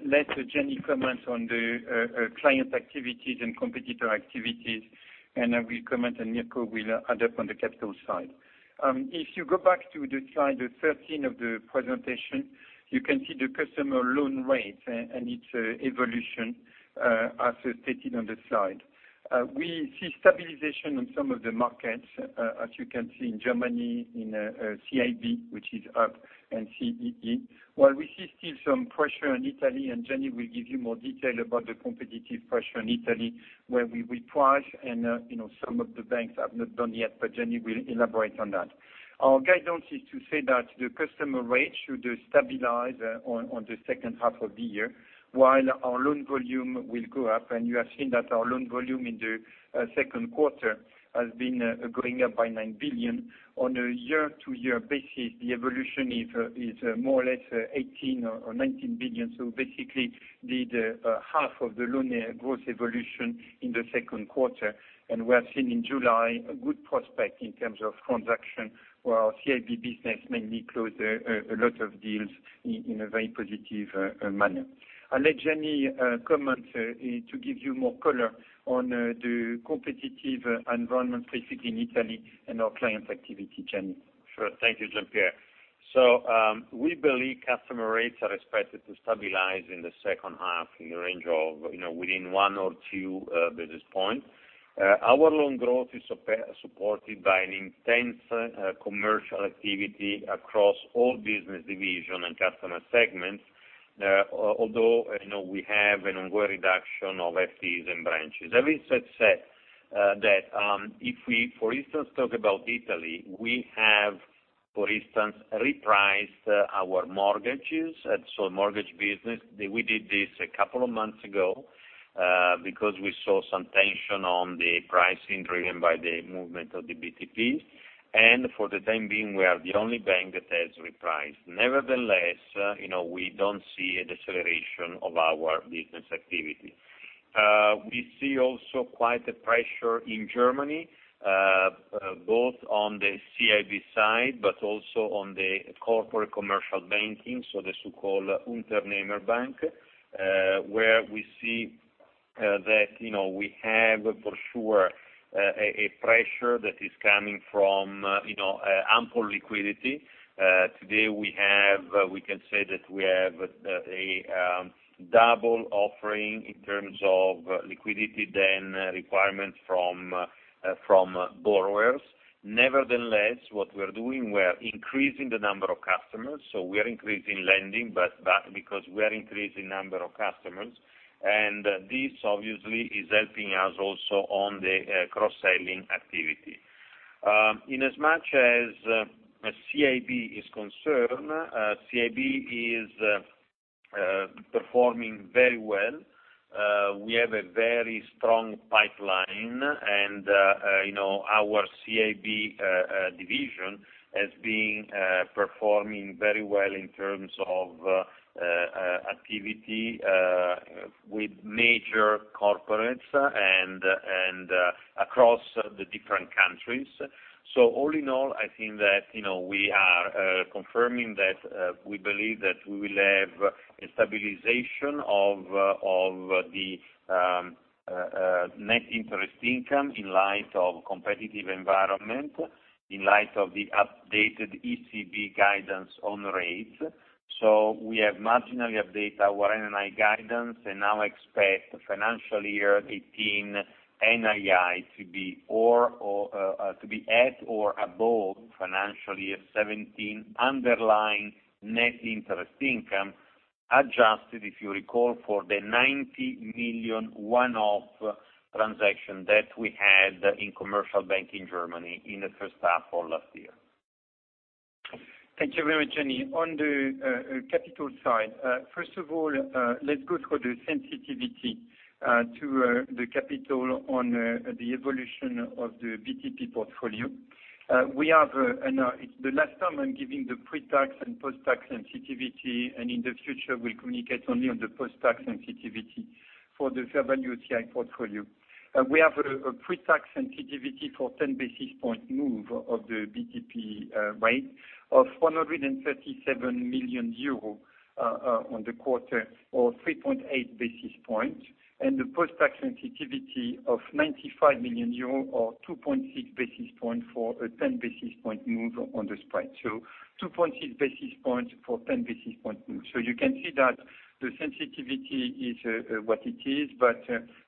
Speaker 2: Let Gianni comment on the client activities and competitor activities, I will comment, Mirko will add up on the capital side. If you go back to slide 13 of the presentation, you can see the customer loan rate and its evolution as stated on the slide. We see stabilization on some of the markets, as you can see in Germany, in CIB, which is up, and CEE. We see still some pressure in Italy, Gianni will give you more detail about the competitive pressure in Italy, where we reprice, some of the banks have not done yet, Gianni will elaborate on that. Our guidance is to say that the customer rate should stabilize on the second half of the year, while our loan volume will go up. You have seen that our loan volume in the second quarter has been going up by 9 billion. On a year-to-year basis, the evolution is more or less 18 billion or 19 billion, so basically did half of the loan growth evolution in the second quarter. We have seen in July a good prospect in terms of transaction, where our CIB business mainly closed a lot of deals in a very positive manner. I'll let Gianni comment to give you more color on the competitive environment, specifically in Italy and our client activity. Gianni?
Speaker 5: Sure. Thank you, Jean-Pierre. We believe customer rates are expected to stabilize in the second half in the range of within one or two basis points. Our loan growth is supported by an intense commercial activity across all business division and customer segments, although we have an ongoing reduction of fees and branches. That being said, that if we, for instance, talk about Italy, we have, for instance, repriced our mortgages. Mortgage business, we did this a couple of months ago, because we saw some tension on the pricing driven by the movement of the BTP. For the time being, we are the only bank that has repriced. Nevertheless, we don't see a deceleration of our business activity. We see also quite the pressure in Germany, both on the CIB side, but also on the corporate commercial banking, so the so-called Unternehmerbank, where we see that we have for sure a pressure that is coming from ample liquidity. Today, we can say that we have a double offering in terms of liquidity than requirements from borrowers. Nevertheless, what we're doing, we're increasing the number of customers. We are increasing lending, but because we are increasing number of customers, and this obviously is helping us also on the cross-selling activity. In as much as CIB is concerned, CIB is performing very well. We have a very strong pipeline, and our CIB division has been performing very well in terms of activity with major corporates and across the different countries. All in all, I think that we are confirming that we believe that we will have a stabilization of the net interest income in light of competitive environment, in light of the updated ECB guidance on rates. We have marginally updated our NII guidance and now expect financial year 2018 NII to be at or above financial year 2017 underlying net interest income, adjusted, if you recall, for the 90 million one-off transaction that we had in Commercial Banking Germany in the first half of last year.
Speaker 2: Thank you very much, Gianni. On the capital side, first of all, let's go through the sensitivity to the capital on the evolution of the BTP portfolio. We have, I know it's the last time I'm giving the pre-tax and post-tax sensitivity, and in the future we'll communicate only on the post-tax sensitivity for the fair value AT1 portfolio. We have a pre-tax sensitivity for 10 basis point move of the BTP rate of 137 million euros on the quarter, or 3.8 basis points, and the post-tax sensitivity of 95 million euros, or 2.6 basis points for a 10-basis-point move on the spread. 2.6 basis points for 10 basis point move. You can see that the sensitivity is what it is, but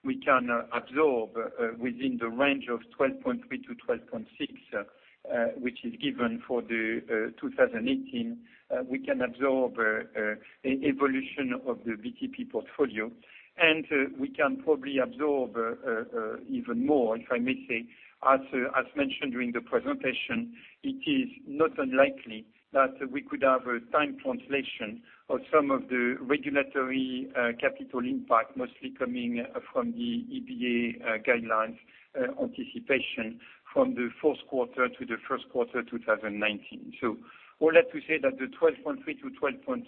Speaker 2: we can absorb within the range of 12.3%-12.6%, which is given for the 2018. We can absorb evolution of the BTP portfolio, and we can probably absorb even more, if I may say. As mentioned during the presentation, it is not unlikely that we could have a time translation of some of the regulatory capital impact, mostly coming from the EBA guidelines anticipation from the fourth quarter to the first quarter 2019. All that to say that the 12.3%-12.6%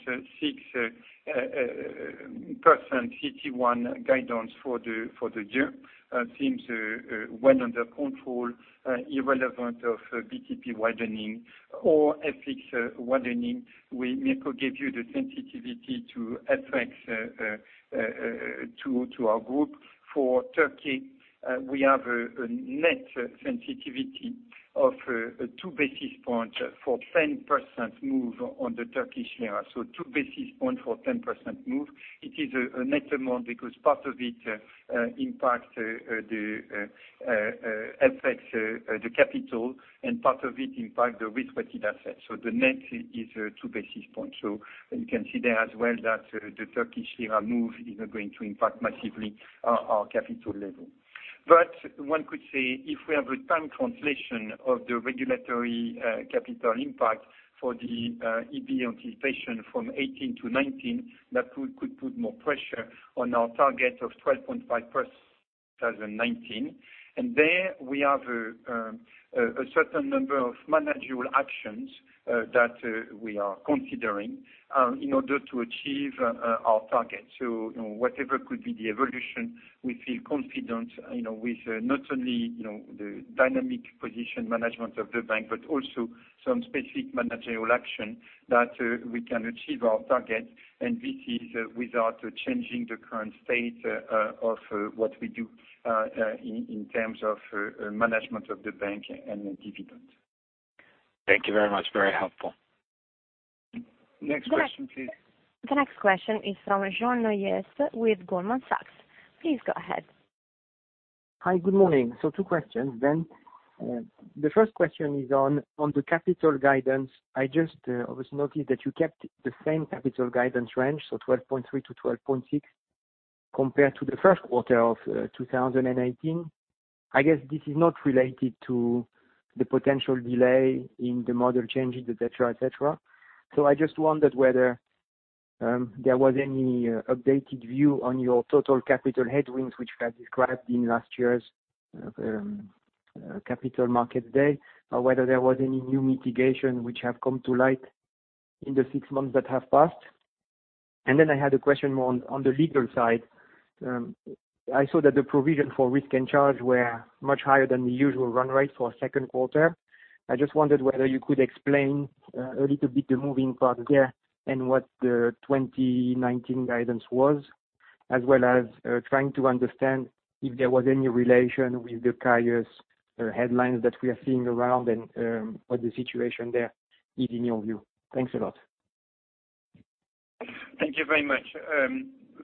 Speaker 2: CET1 guidance for the year seems well under control, irrelevant of BTP widening or FX widening. We may give you the sensitivity to FX to our group. For Turkey, we have a net sensitivity of two basis points for 10% move on the Turkish lira. Two basis points for 10% move. It is a net amount because part of it impacts the FX, the capital, and part of it impacts the risk-weighted assets. The net is two basis points. You can see there as well that the Turkish lira move is not going to impact massively our capital level. One could say if we have a time translation of the regulatory capital impact for the EBA anticipation from 2018 to 2019, that could put more pressure on our target of 12.5% 2019. There we have a certain number of managerial actions that we are considering in order to achieve our target. Whatever could be the evolution, we feel confident, with not only the dynamic position management of the bank, but also some specific managerial action that we can achieve our target. This is without changing the current state of what we do in terms of management of the bank and the dividend.
Speaker 4: Thank you very much. Very helpful.
Speaker 2: Next question, please.
Speaker 1: The next question is from Jean-Francois Neuez with Goldman Sachs. Please go ahead.
Speaker 6: Hi, good morning. Two questions then. The first question is on the capital guidance. I just noticed that you kept the same capital guidance range, 12.3%-12.6% compared to the first quarter of 2018. I guess this is not related to the potential delay in the model changes, et cetera. I just wondered whether there was any updated view on your total capital headwinds, which you had described in last year's Capital Markets Day, or whether there was any new mitigation which have come to light in the six months that have passed. I had a question more on the legal side. I saw that the provision for risk and charge were much higher than the usual run rate for second quarter. I just wondered whether you could explain a little bit the moving parts there and what the 2019 guidance was, as well as trying to understand if there was any relation with the Caius headlines that we are seeing around and what the situation there is in your view. Thanks a lot.
Speaker 2: Thank you very much.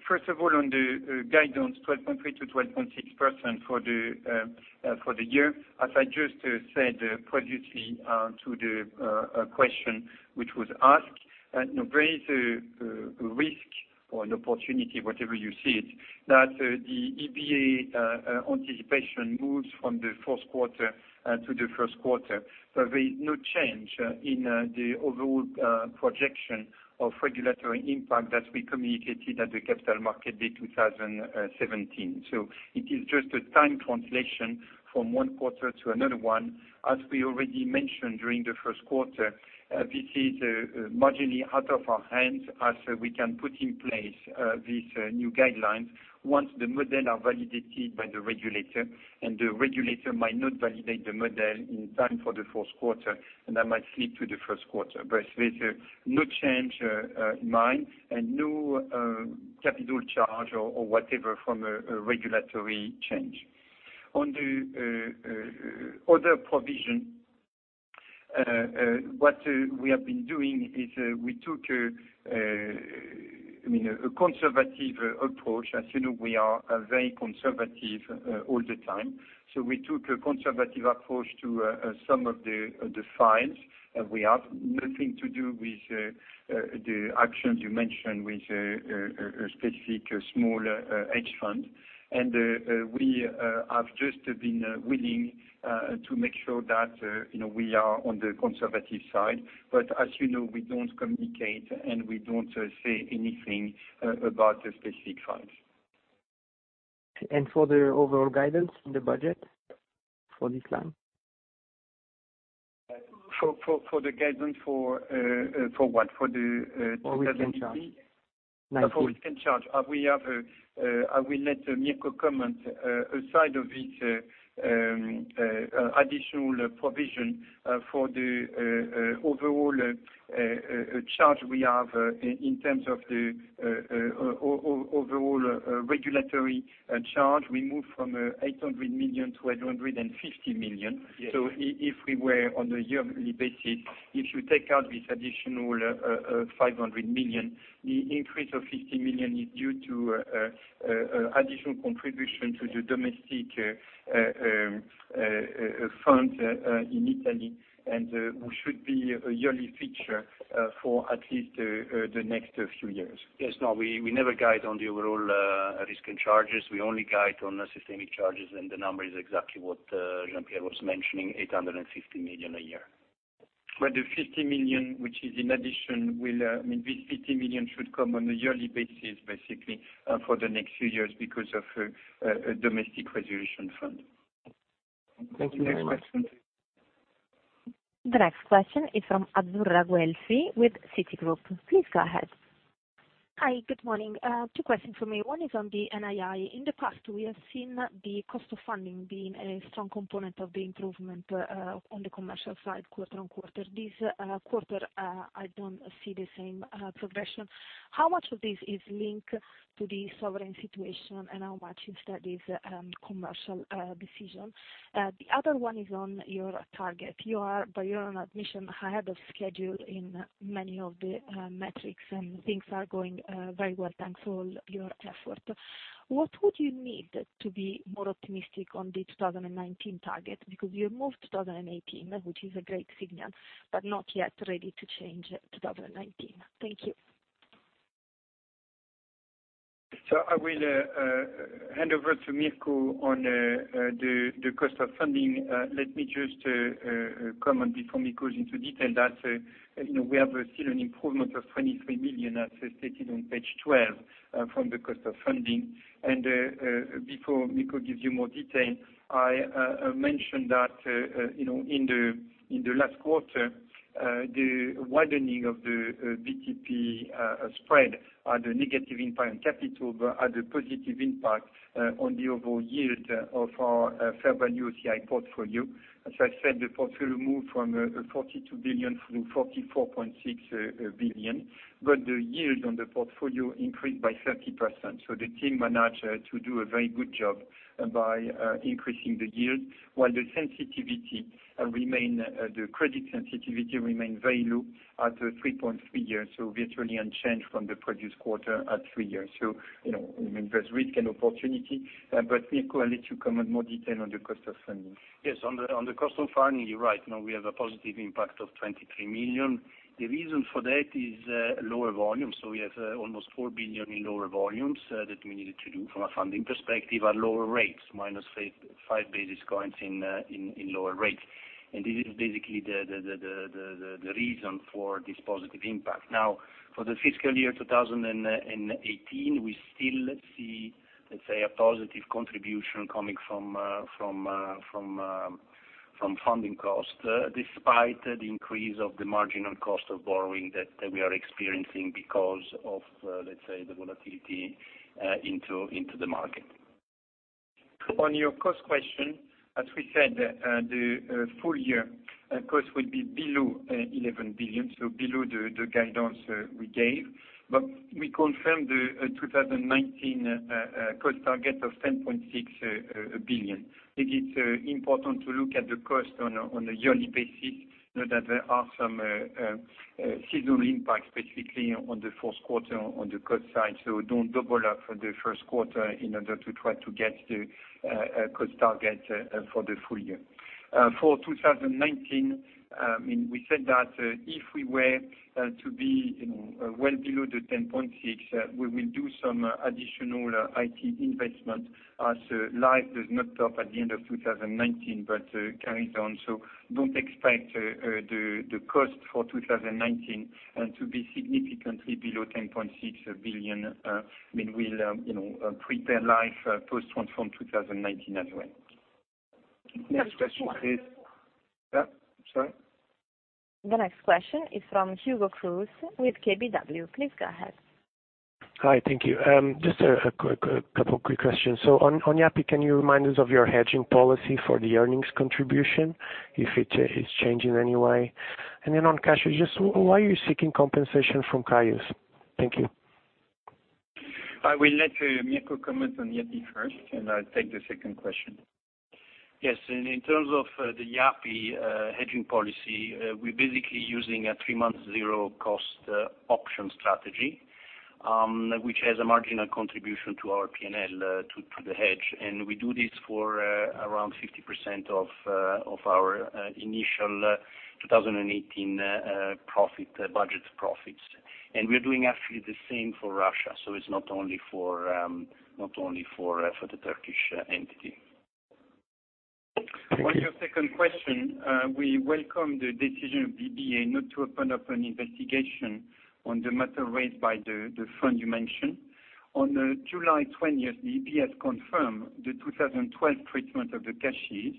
Speaker 2: First of all, on the guidance, 12.3%-12.6% for the year, as I just said previously to the question which was asked, there is a risk or an opportunity, however you see it, that the EBA anticipation moves from the fourth quarter to the first quarter. There is no change in the overall projection of regulatory impact that we communicated at the Capital Markets Day 2017. It is just a time translation from one quarter to another one. As we already mentioned during the first quarter, this is marginally out of our hands as we can put in place these new guidelines once the models are validated by the regulator, and the regulator might not validate the model in time for the fourth quarter, and that might slip to the first quarter. There's no change in mind and no capital charge or whatever from a regulatory change. On the other provision, what we have been doing is we took a conservative approach. As you know, we are very conservative all the time. We took a conservative approach to some of the files. We have nothing to do with the actions you mentioned, with a specific small hedge fund. We have just been willing to make sure that we are on the conservative side. As you know, we don't communicate, and we don't say anything about the specific funds.
Speaker 3: For the overall guidance in the budget for this line?
Speaker 2: For the guidance for what? For the 2020-
Speaker 3: Risk and charge.
Speaker 2: For risk and charge. I will let Mirko comment aside of this additional provision for the overall charge we have in terms of the overall regulatory charge, we moved from 800 million to 850 million.
Speaker 3: Yes.
Speaker 2: If we were on a yearly basis, if you take out this additional 500 million, the increase of 50 million is due to additional contribution to the domestic fund in Italy, and which should be a yearly feature for at least the next few years.
Speaker 3: Yes. No, we never guide on the overall risk and charges. We only guide on systemic charges, and the number is exactly what Jean-Pierre was mentioning, 850 million a year.
Speaker 2: The 50 million, which is in addition, this 50 million should come on a yearly basis, basically, for the next few years because of domestic resolution fund.
Speaker 3: Thank you very much.
Speaker 1: The next question is from Azzurra Guelfi with Citigroup. Please go ahead.
Speaker 7: Hi. Good morning. Two questions for me. One is on the NII. In the past, we have seen the cost of funding being a strong component of the improvement on the commercial side quarter-on-quarter. This quarter, I don't see the same progression. How much of this is linked to the sovereign situation, and how much instead is commercial decision? The other one is on your target. You are, by your own admission, ahead of schedule in many of the metrics, and things are going very well, thanks for all your effort. What would you need to be more optimistic on the 2019 target? You moved 2018, which is a great signal, but not yet ready to change 2019. Thank you.
Speaker 2: I will hand over to Mirko on the cost of funding. Let me just comment before Mirko goes into detail, that we have seen an improvement of 23 million, as stated on page 12, from the cost of funding. Before Mirko gives you more detail, I mentioned that in the last quarter, the widening of the BTP spread had a negative impact on capital, but had a positive impact on the overall yield of our fair value OCI portfolio. As I said, the portfolio moved from 42 billion through 44.6 billion, but the yield on the portfolio increased by 30%. The team managed to do a very good job by increasing the yield while the credit sensitivity remained very low at 3.3 years, virtually unchanged from the previous quarter at three years. There's risk and opportunity. Mirko, I'll let you comment more detail on the cost of funding.
Speaker 3: Yes, on the cost of funding, you are right. We have a positive impact of 23 million. The reason for that is lower volume. We have almost 4 billion in lower volumes that we needed to do from a funding perspective at lower rates, minus 5 basis points in lower rates. This is basically the reason for this positive impact. For the fiscal year 2018, we still see, let's say, a positive contribution coming from funding cost, despite the increase of the marginal cost of borrowing that we are experiencing because of the volatility into the market.
Speaker 2: On your cost question, as we said, the full year cost will be below 11 billion, below the guidance we gave. We confirmed the 2019 cost target of 10.6 billion. I think it is important to look at the cost on a yearly basis, know that there are some seasonal impacts, specifically on the first quarter on the cost side. Don't double up for the first quarter in order to try to get the cost target for the full year. For 2019, we said that if we were to be well below 10.6, we will do some additional IT investment as life does not stop at the end of 2019, but carries on. Don't expect the cost for 2019 to be significantly below 10.6 billion. We will prepare life post-Transform 2019 as well. The next question. Sorry?
Speaker 1: The next question is from Hugo Cruz with KBW. Please go ahead.
Speaker 8: Hi. Thank you. Just a couple quick questions. On Yapı, can you remind us of your hedging policy for the earnings contribution, if it is changing in any way? On cash, just why are you seeking compensation from Caius? Thank you.
Speaker 2: I will let Mirko comment on Yapı first, I'll take the second question.
Speaker 3: Yes. In terms of the Yapı hedging policy, we're basically using a three-month zero cost option strategy, which has a marginal contribution to our P&L to the hedge, we do this for around 50% of our initial 2018 budget profits. We're doing actually the same for Russia, so it's not only for the Turkey
Speaker 2: On your second question, we welcome the decision of the EBA not to open up an investigation on the matter raised by the fund you mentioned. On July 20th, the EBA confirmed the 2012 treatment of the Caius,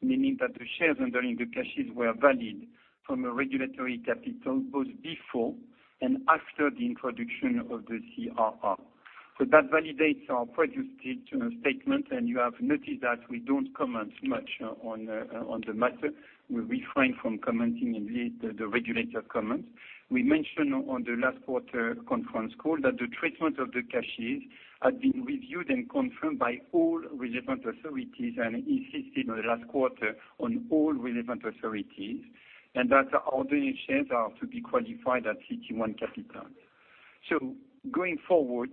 Speaker 2: meaning that the shares under the Caius were valid from a regulatory capital, both before and after the introduction of the CRR. That validates our previous statement, you have noticed that we don't comment much on the matter. We refrain from commenting and leave the regulator comment. We mentioned on the last quarter conference call that the treatment of the Caius had been reviewed and confirmed by all relevant authorities, and that all the shares are to be qualified as CET1 capital. Going forward,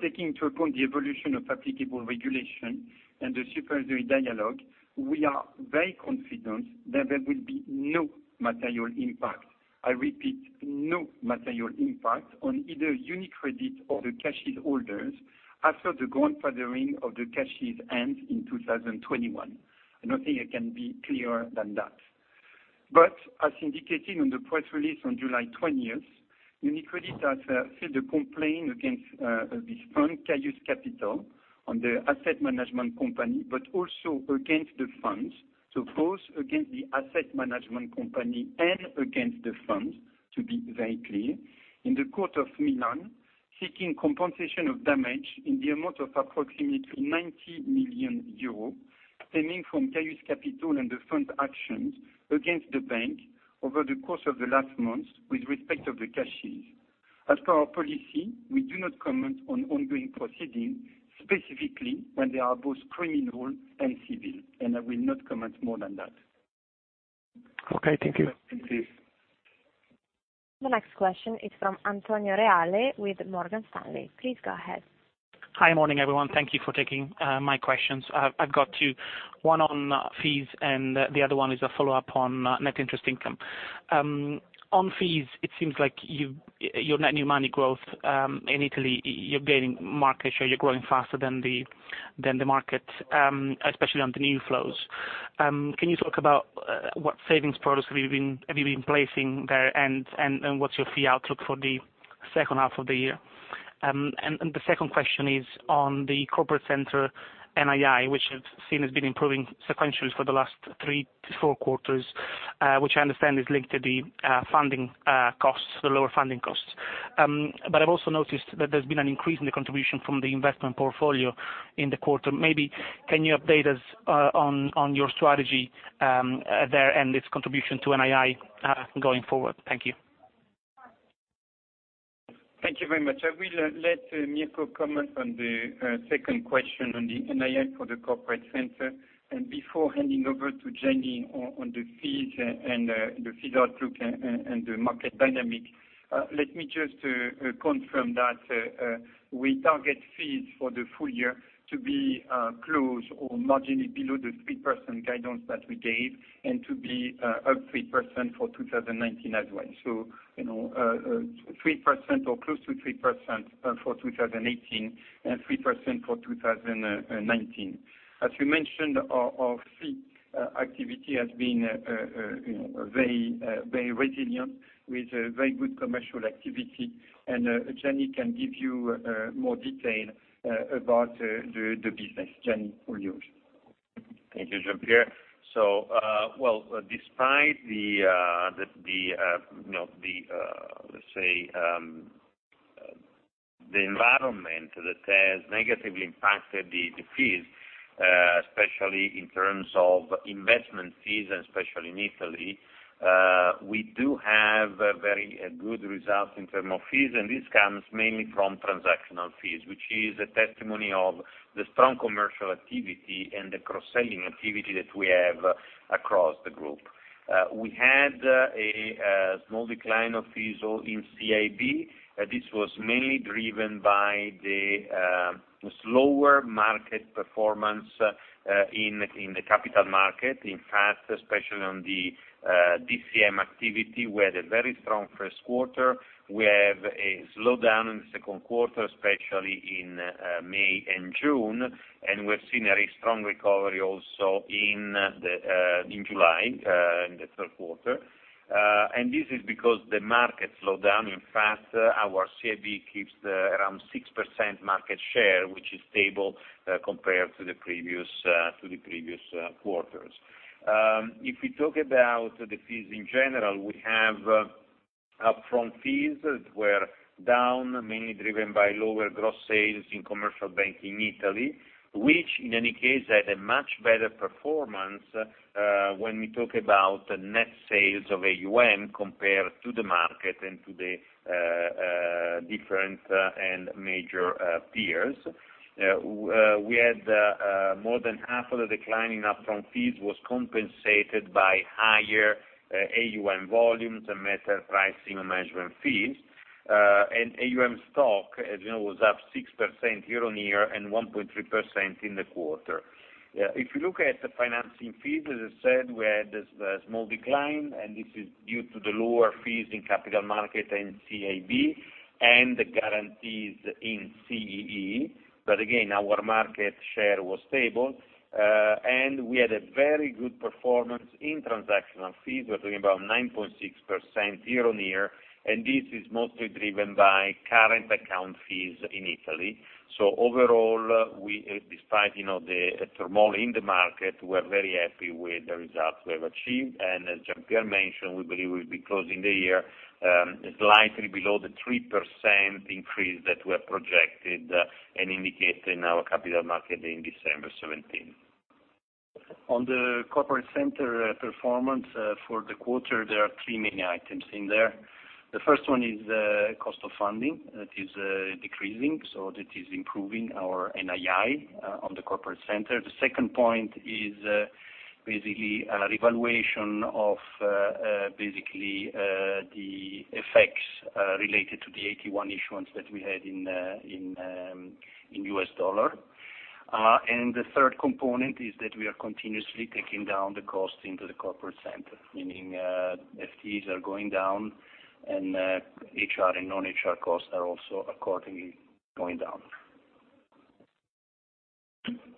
Speaker 2: taking into account the evolution of applicable regulation and the supervisory dialogue, we are very confident that there will be no material impact, I repeat, no material impact on either UniCredit or the CASHES holders after the grandfathering of the CASHES end in 2021. I don't think I can be clearer than that. As indicated on the press release on July 20th, UniCredit has filed a complaint against this fund, Caius Capital, on the asset management company, but also against the funds, so both against the asset management company and against the funds, to be very clear, in the Court of Milan, seeking compensation of damage in the amount of approximately 90 million euros, stemming from Caius Capital and the fund actions against the bank over the course of the last month with respect of the CASHES. As per our policy, we do not comment on ongoing proceedings, specifically when they are both criminal and civil, and I will not comment more than that.
Speaker 8: Okay, thank you.
Speaker 2: Thank you.
Speaker 1: The next question is from Antonio Reale with Morgan Stanley. Please go ahead.
Speaker 9: Hi, morning, everyone. Thank you for taking my questions. I've got two, one on fees, and the other one is a follow-up on net interest income. On fees, it seems like your net new money growth in Italy, you're gaining market share, you're growing faster than the market, especially on the new flows. Can you talk about what savings products have you been placing there, and what's your fee outlook for the second half of the year? The second question is on the Group Corporate Center NII, which I've seen has been improving sequentially for the last three to four quarters, which I understand is linked to the lower funding costs. I've also noticed that there's been an increase in the contribution from the investment portfolio in the quarter. Maybe can you update us on your strategy there and its contribution to NII going forward? Thank you.
Speaker 2: Thank you very much. I will let Mirko comment on the second question on the NII for the Group Corporate Center. Before handing over to Gianni on the fees and the fee outlook and the market dynamic, let me just confirm that we target fees for the full year to be close or marginally below the 3% guidance that we gave, and to be up 3% for 2019 as well. 3% or close to 3% for 2018, and 3% for 2019. As we mentioned, our fee activity has been very resilient, with very good commercial activity. Gianni can give you more detail about the business. Gianni, all yours.
Speaker 5: Thank you, Jean-Pierre. Well, despite the, let's say, environment that has negatively impacted the fees, especially in terms of investment fees and especially in Italy, we do have very good results in terms of fees, and this comes mainly from transactional fees, which is a testimony of the strong commercial activity and the cross-selling activity that we have across the group. We had a small decline of fees in CIB. This was mainly driven by the slower market performance in the capital market. In fact, especially on the DCM activity, we had a very strong first quarter. We have a slowdown in the second quarter, especially in May and June, and we're seeing a very strong recovery also in July, in the third quarter. This is because the market slowed down. In fact, our CIB keeps around 6% market share, which is stable compared to the previous quarters. If we talk about the fees in general, we have upfront fees that were down, mainly driven by lower gross sales in Commercial Banking Italy, which in any case, had a much better performance when we talk about net sales of AUM compared to the market and to the different and major peers. More than half of the decline in upfront fees was compensated by higher AUM volumes and better pricing on management fees. AUM stock, as you know, was up 6% year-on-year and 1.3% in the quarter. If you look at the financing fees, as I said, we had a small decline, and this is due to the lower fees in capital markets and CIB and the guarantees in CEE. Again, our market share was stable, and we had a very good performance in transactional fees. We're talking about 9.6% year-on-year, this is mostly driven by current account fees in Italy. Overall, despite the turmoil in the market, we're very happy with the results we have achieved. As Jean-Pierre mentioned, we believe we'll be closing the year slightly below the 3% increase that we have projected and indicated in our Capital Markets Day in December 2017.
Speaker 2: On the Group Corporate Center performance for the quarter, there are three main items in there. The first one is the cost of funding. That is decreasing, so that is improving our NII on the Group Corporate Center. The second point is basically a revaluation of the effects related to the AT1 issuance that we had in U.S. dollar. The third component is that we are continuously taking down the cost into the Group Corporate Center, meaning FTEs are going down and HR and non-HR costs are also accordingly going down.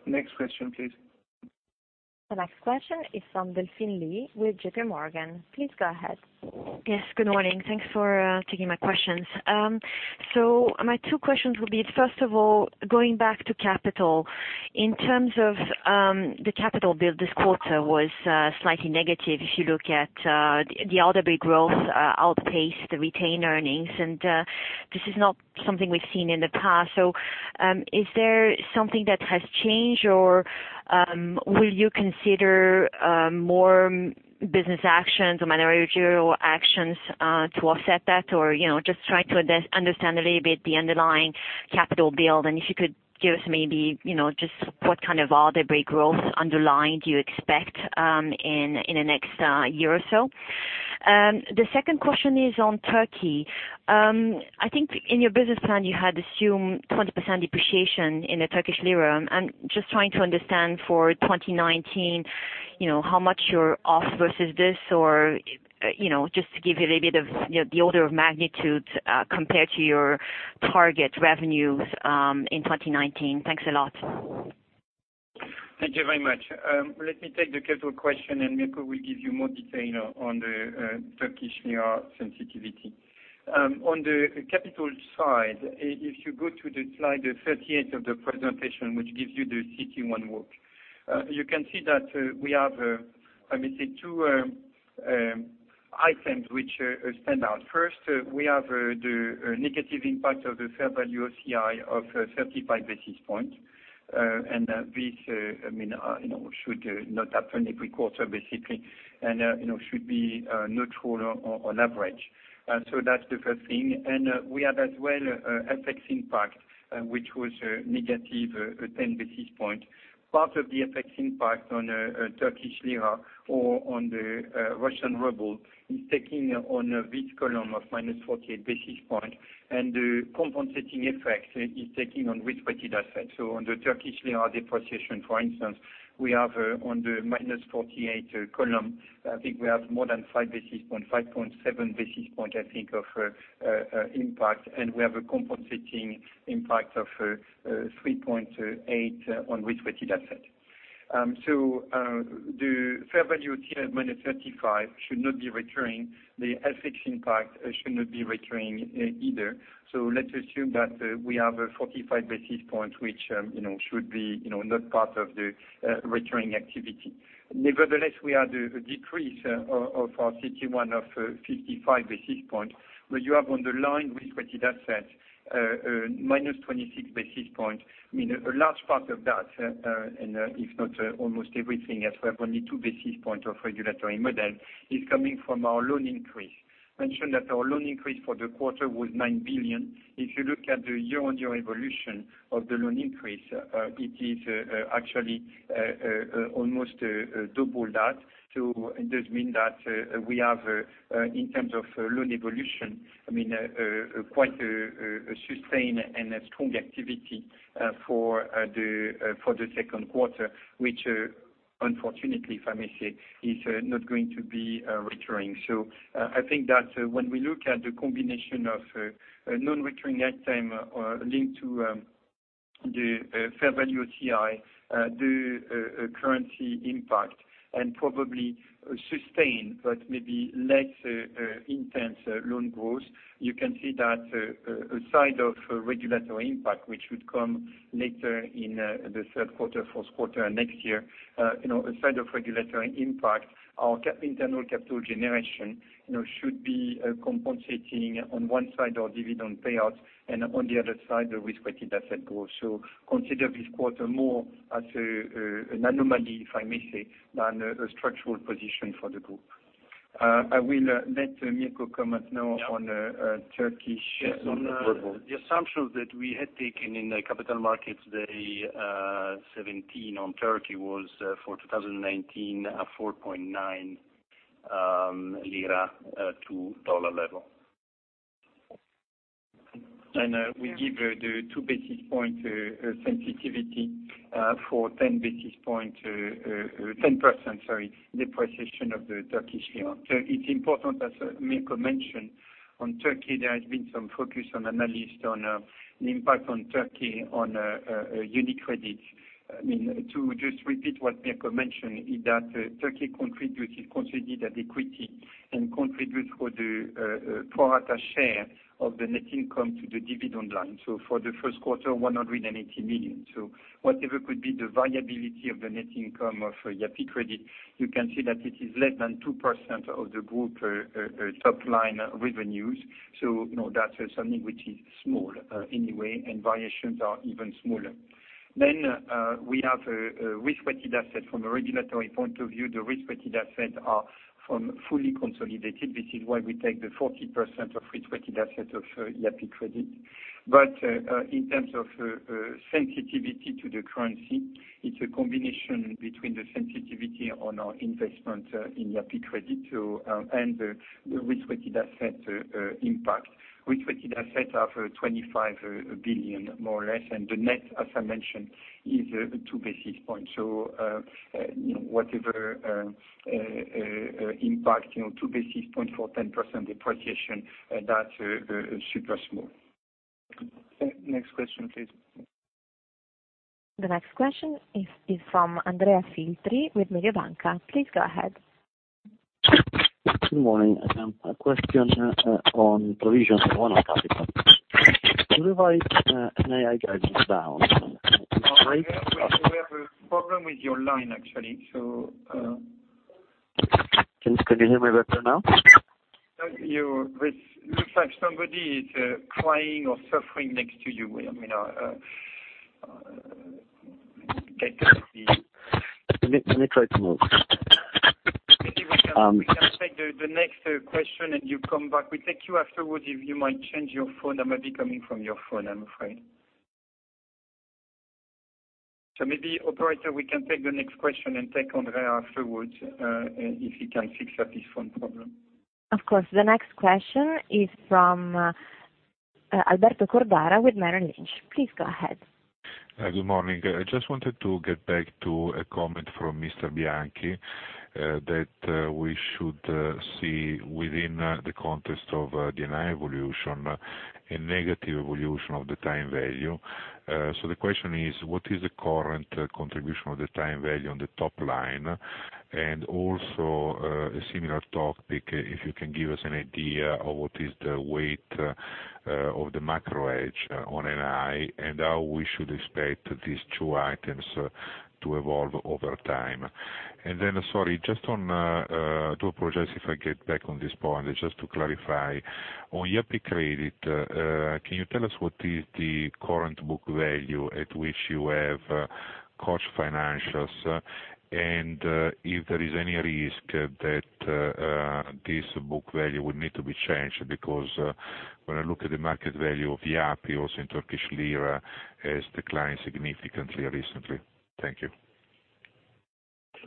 Speaker 5: Next question, please.
Speaker 1: The next question is from Delphine Lee with J.P. Morgan. Please go ahead.
Speaker 10: Yes, good morning. Thanks for taking my questions. My two questions will be, first of all, going back to capital. In terms of the capital build this quarter was slightly negative if you look at the RWA growth outpaced the retained earnings, and this is not something we've seen in the past. Is there something that has changed, or will you consider more business actions or managerial actions to offset that? Just try to understand a little bit the underlying capital build, and if you could give us maybe just what kind of RWA growth underlying do you expect in the next year or so? The second question is on Turkey. I think in your business plan, you had assumed 20% depreciation in the Turkish lira. I'm just trying to understand for 2019, how much you're off versus this, or just to give a little bit of the order of magnitude compared to your target revenues in 2019. Thanks a lot.
Speaker 2: Thank you very much. Let me take the capital question, Mirko will give you more detail on the Turkish lira sensitivity. On the capital side, if you go to slide 38 of the presentation, which gives you the CET1 work, you can see that we have two items which stand out. First, we have the negative impact of the fair value OCI of 35 basis points. This should not happen every quarter, basically, and should be neutral or leverage. That's the first thing. We have as well FX impact, which was a negative 10 basis points. Part of the FX impact on the Turkish lira or on the Russian ruble is taking on this column of -48 basis points, and the compensating effect is taking on risk-weighted assets. On the Turkish lira depreciation, for instance, we have on the 48 column, I think we have more than 5 basis points, 5.7 basis points, I think, of impact, and we have a compensating impact of 3.8 on risk-weighted assets. The fair value tier at 35 should not be returning. The FX impact should not be returning either. Let's assume that we have 45 basis points, which should be not part of the returning activity. Nevertheless, we have the decrease of our CET1 of 55 basis points. You have on the line risk-weighted assets 26 basis points. A large part of that, and if not almost everything, as we have only 2 basis points of regulatory model, is coming from our loan increase. Mentioned that our loan increase for the quarter was 9 billion. If you look at the year-on-year evolution of the loan increase, it is actually almost double that. It does mean that we have, in terms of loan evolution, quite a sustained and a strong activity for the second quarter, which unfortunately, if I may say, is not going to be returning. I think that when we look at the combination of non-returning item linked to the fair value OCI, the currency impact, and probably sustained but maybe less intense loan growth, you can see that aside of regulatory impact, which would come later in the third quarter, first quarter next year, aside of regulatory impact, our internal capital generation should be compensating on one side our dividend payouts and on the other side, the risk-weighted asset growth. Consider this quarter more as an anomaly, if I may say, than a structural position for the group. I will let Mirko comment now on Turkish lira.
Speaker 3: Yes, on the assumption that we had taken in the Capital Markets Day 2017 on Turkey was for 2019, 4.9 Turkish lira to USD level.
Speaker 2: We give the two basis point sensitivity for 10% depreciation of the Turkish lira. It's important, as Mirko mentioned, on Turkey, there has been some focus on analysts on the impact on Turkey on UniCredit. To just repeat what Mirko mentioned, is that Turkey contributes its consolidated equity and contributes for the pro-rata share of the net income to the dividend line. For the first quarter, 180 million. Whatever could be the viability of the net income of Yapı Kredi, you can see that it is less than 2% of the group top-line revenues. That's something which is small anyway, and variations are even smaller. We have a risk-weighted asset. From a regulatory point of view, the risk-weighted assets are from fully consolidated. This is why we take the 40% of risk-weighted asset of Yapı Kredi. In terms of sensitivity to the currency, it's a combination between the sensitivity on our investment in Yapı Kredi, and the risk-weighted asset impact. Risk-weighted assets are for 25 billion, more or less, and the net, as I mentioned, is two basis points. Whatever impact, two basis point for 10% depreciation, that's super small. Next question, please.
Speaker 1: The next question is from Andrea Filtri with Mediobanca. Please go ahead.
Speaker 11: Good morning, everyone. A question on provisions capital. To the right, NII guidance is down.
Speaker 2: We have a problem with your line, actually.
Speaker 11: Can you hear me better now?
Speaker 2: It looks like somebody is crying or suffering next to you. I mean
Speaker 11: Let me try to move.
Speaker 2: Maybe we can take the next question. You come back. We take you afterwards if you might change your phone. That might be coming from your phone, I'm afraid. Maybe, operator, we can take the next question and take Andrea afterwards, if he can fix up his phone problem.
Speaker 1: Of course. The next question is from Alberto Cordara with Merrill Lynch. Please go ahead.
Speaker 12: Good morning. I just wanted to get back to a comment from Mr. Bianchi, that we should see within the context of NII evolution, a negative evolution of the time value. The question is, what is the current contribution of the time value on the top line? Also, a similar topic, if you can give us an idea of what is the weight of the macro hedge on NII, and how we should expect these two items to evolve over time. Then, sorry, just to progress, if I get back on this point, just to clarify, on Yapı Kredi, can you tell us what is the current book value at which you have hedged financials? If there is any risk that this book value would need to be changed, because when I look at the market value of Yapı, also in Turkish lira, has declined significantly recently. Thank you.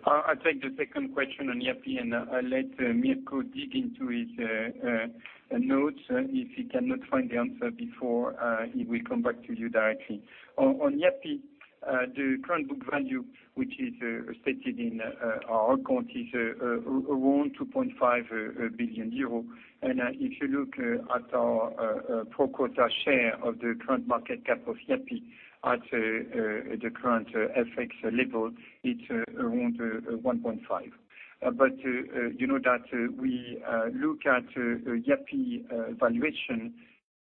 Speaker 2: I'll take the second question on Yapı, and I'll let Mirko dig into his notes. If he cannot find the answer before, he will come back to you directly. On Yapı, the current book value, which is stated in our accounts, is around 2.5 billion euros. If you look at our pro quota share of the current market cap of Yapı at the current FX level, it's around 1.5 billion. You know that we look at Yapı valuation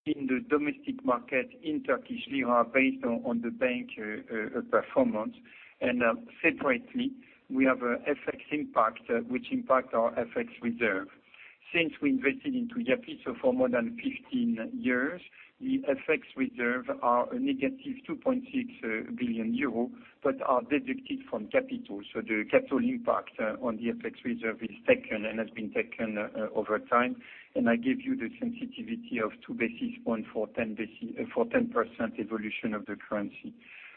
Speaker 2: in the domestic market in Turkish lira based on the bank performance. Separately, we have an FX impact, which impacts our FX reserve. Since we invested into Yapı, so for more than 15 years, the FX reserve are a negative 2.6 billion euros, but are deducted from capital. The capital impact on the FX reserve is taken and has been taken over time. I give you the sensitivity of 2 basis points for 10% evolution of the currency.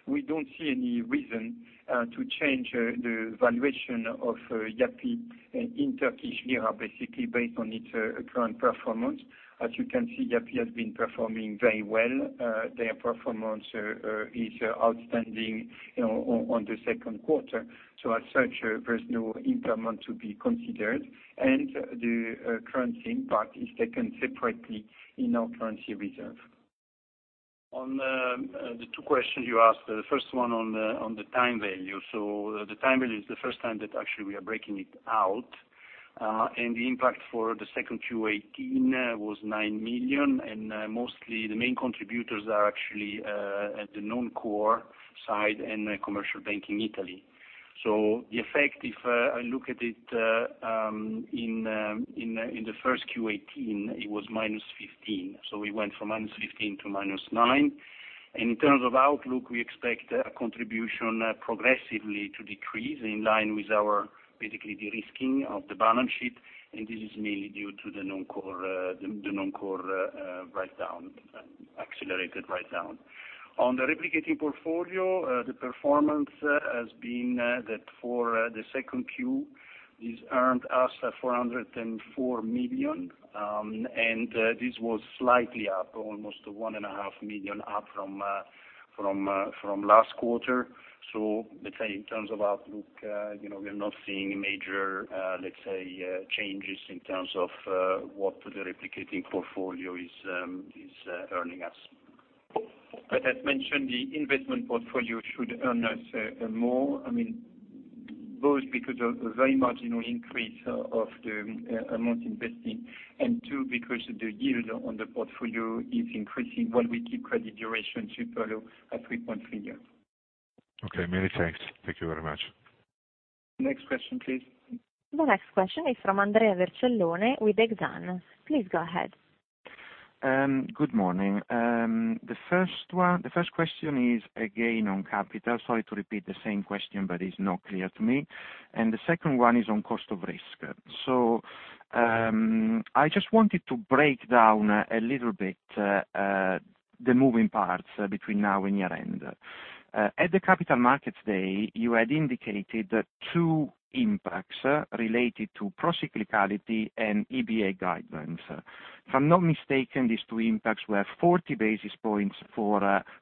Speaker 2: We don't see any reason to change the valuation of Yapı in Turkish lira, basically based on its current performance. As you can see, Yapı has been performing very well. Their performance is outstanding on the second quarter. As such, there's no impairment to be considered, and the currency impact is taken separately in our currency reserve.
Speaker 3: On the 2 questions you asked, the first one on the time value. The time value is the first time that actually we are breaking it out. The impact for the second Q 2018 was 9 million, and mostly the main contributors are actually at the non-core side and Commercial Banking Italy. The effect, if I look at it in the first Q 2018, it was minus 15 million. We went from minus 15 million to minus 9 million. In terms of outlook, we expect a contribution progressively to decrease in line with our basically de-risking of the balance sheet, and this is mainly due to the non-core write-down, accelerated write-down. On the replicating portfolio, the performance has been that for the 2Q, this earned us 404 million. This was slightly up, almost one and a half million up from last quarter. Let's say in terms of outlook, we are not seeing major changes in terms of what the replicating portfolio is earning us. As mentioned, the investment portfolio should earn us more, both because of a very marginal increase of the amount investing, and two, because the yield on the portfolio is increasing while we keep credit duration super low at 3.3 years.
Speaker 12: Okay, many thanks. Thank you very much.
Speaker 2: Next question, please.
Speaker 1: The next question is from Andrea Vercellone with Exane. Please go ahead.
Speaker 13: Good morning. The first question is again on capital. Sorry to repeat the same question, but it is not clear to me. The second one is on cost of risk. I just wanted to break down a little bit the moving parts between now and year-end. At the Capital Markets Day, you had indicated that two impacts related to procyclicality and EBA guidelines. If I am not mistaken, these two impacts were 40 basis points for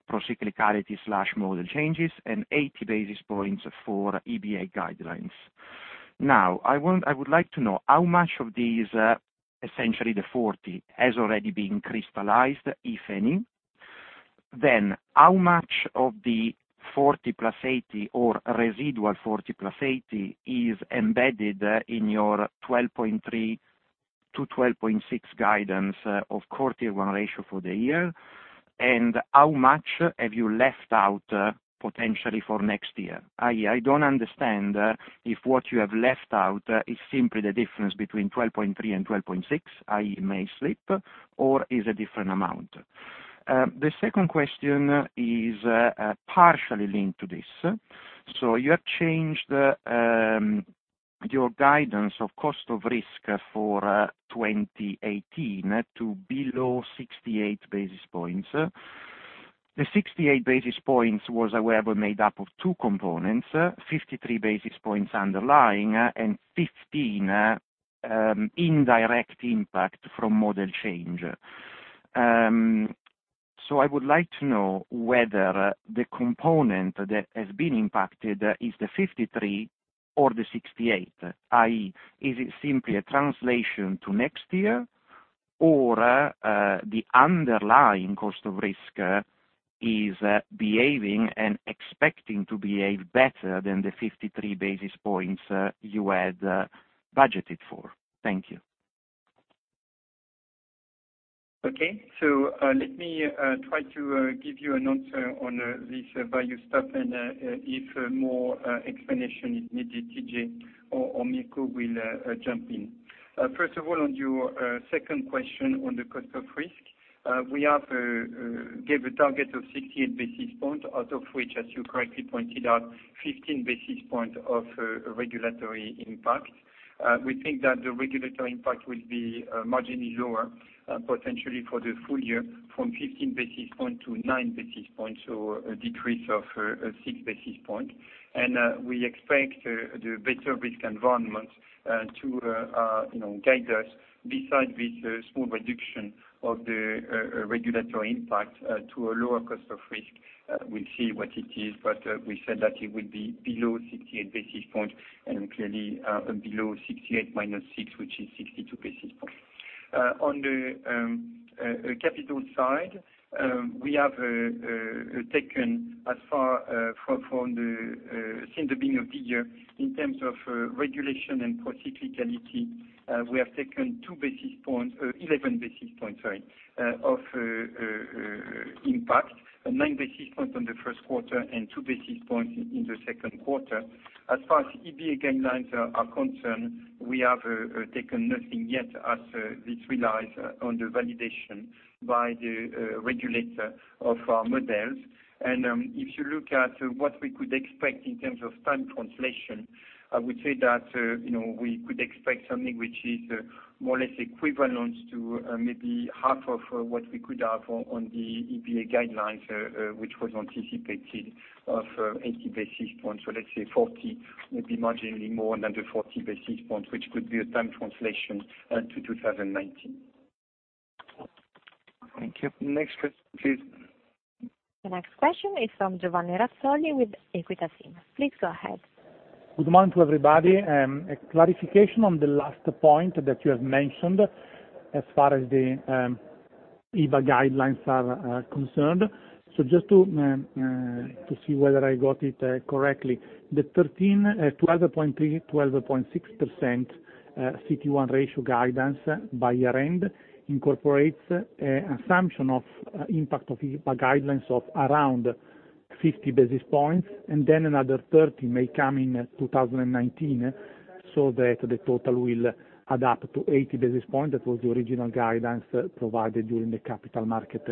Speaker 13: procyclicality/model changes and 80 basis points for EBA guidelines. I would like to know how much of these, essentially the 40, has already been crystallized, if any. Then how much of the 40 plus 80 or residual 40 plus 80 is embedded in your 12.3 to 12.6 guidance of core Tier 1 ratio for the year, and how much have you left out potentially for next year? I do not understand if what you have left out is simply the difference between 12.3 and 12.6, i.e., may slip, or is a different amount. The second question is partially linked to this. You have changed your guidance of cost of risk for 2018 to below 68 basis points. The 68 basis points was, however, made up of two components, 53 basis points underlying and 15 indirect impact from model change. I would like to know whether the component that has been impacted is the 53 or the 68, i.e., is it simply a translation to next year, or the underlying cost of risk is behaving and expecting to behave better than the 53 basis points you had budgeted for? Thank you.
Speaker 2: Okay. Let me try to give you an answer on this value stuff, and if more explanation is needed, TJ or Mirko will jump in. First of all, on your second question on the cost of risk, we gave a target of 68 basis points, out of which, as you correctly pointed out, 15 basis points of regulatory impact. We think that the regulatory impact will be marginally lower, potentially for the full year, from 15 basis point to nine basis points, so a decrease of six basis point. We expect the better risk environment to guide us beside this small reduction of the regulatory impact to a lower cost of risk. We will see what it is, but we said that it would be below 68 basis points and clearly below 68 minus six, which is 62 basis points. On the capital side, we have taken as far from the since the beginning of the year, in terms of regulation and procyclicality, we have taken 11 basis points of impact, nine basis points on the first quarter and two basis points in the second quarter. As far as EBA guidelines are concerned, we have taken nothing yet as this relies on the validation by the regulator of our models. If you look at what we could expect in terms of time translation, I would say that we could expect something which is more or less equivalent to maybe half of what we could have on the EBA guidelines, which was anticipated of 80 basis points. Let's say 40, maybe marginally more than the 40 basis points, which could be a time translation to 2019.
Speaker 13: Thank you.
Speaker 2: Next question, please.
Speaker 1: The next question is from Giovanni Razzoli with Equita SIM. Please go ahead.
Speaker 14: Good morning to everybody. A clarification on the last point that you have mentioned as far as the EBA guidelines are concerned. Just to see whether I got it correctly. The 12.3, 12.6% CT1 ratio guidance by year-end incorporates assumption of impact of EBA guidelines of around 50 basis points. Then another 30 may come in 2019. That the total will add up to 80 basis points. That was the original guidance provided during the Capital Markets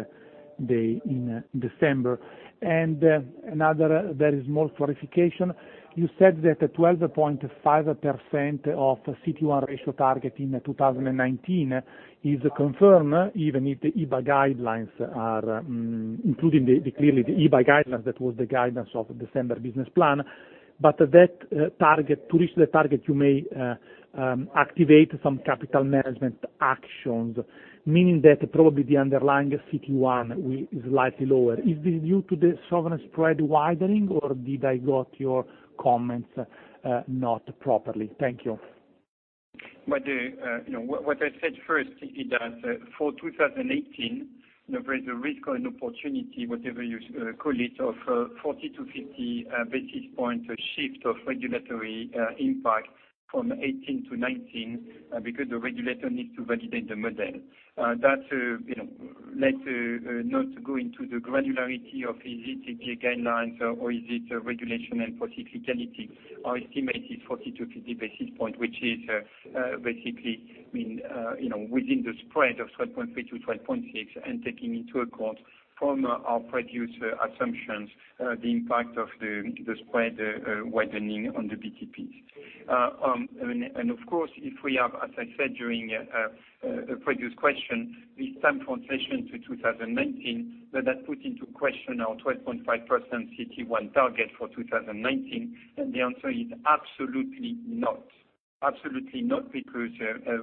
Speaker 14: Day in December. Another very small clarification, you said that 12.5% of CT1 ratio target in 2019 is confirmed, including clearly the EBA guidelines, that was the guidance of December business plan. To reach that target, you may activate some capital management actions, meaning that probably the underlying CT1 is likely lower. Is this due to the sovereign spread widening, or did I get your comments not properly? Thank you.
Speaker 2: What I said first is that for 2018, there is a risk and opportunity, whatever you call it, of 40 to 50 basis points shift of regulatory impact from 2018 to 2019, because the regulator needs to validate the model. Let's not go into the granularity of, is it the guidelines or is it regulation and procyclicality? Our estimate is 40 to 50 basis points, which is basically within the spread of 12.3 to 12.6, and taking into account from our producer assumptions, the impact of the spread widening on the BTPs. Of course, if we have, as I said during a previous question, the time translation to 2019, does that put into question our 12.5% CT1 target for 2019? The answer is absolutely not. Absolutely not, because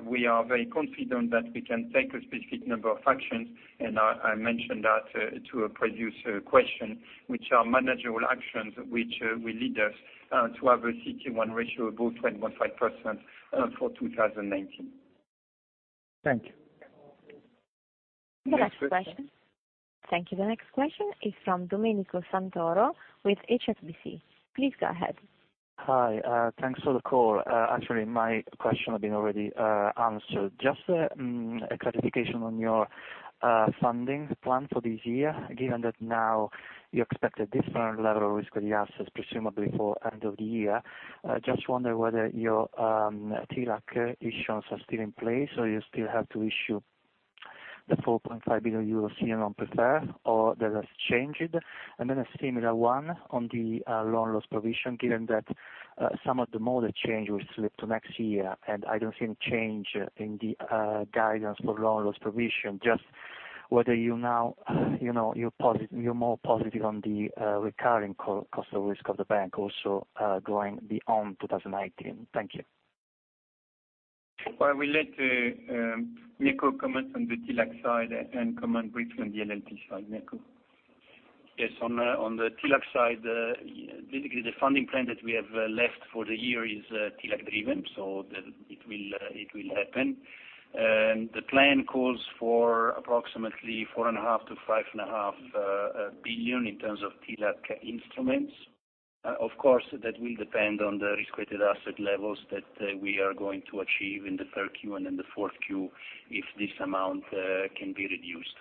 Speaker 2: we are very confident that we can take a specific number of actions, and I mentioned that to a previous question, which are manageable actions, which will lead us to have a CT1 ratio above 12.5% for 2019.
Speaker 14: Thank you.
Speaker 1: The next question. Thank you. The next question is from Domenico Santoro with HSBC. Please go ahead.
Speaker 15: Hi. Thanks for the call. Actually, my question has been already answered. Just a clarification on your funding plan for this year, given that now you expect a different level of risk-weighted assets, presumably for end of the year. Just wonder whether your TLAC issuance are still in place, or you still have to issue the 4.5 billion euros senior non-preferred, or that has changed. Then a similar one on the loan loss provision, given that some of the model change will slip to next year, and I don't see any change in the guidance for loan loss provision. Just whether you're more positive on the recurring cost of risk of the bank also going beyond 2019. Thank you.
Speaker 2: Well, I will let Mirco comment on the TLAC side and comment briefly on the LLP side. Mirco.
Speaker 3: Yes. On the TLAC side, basically the funding plan that we have left for the year is TLAC-driven, it will happen. The plan calls for approximately 4.5 billion-5.5 billion in terms of TLAC instruments. Of course, that will depend on the risk-weighted asset levels that we are going to achieve in the third Q and in the fourth Q, if this amount can be reduced.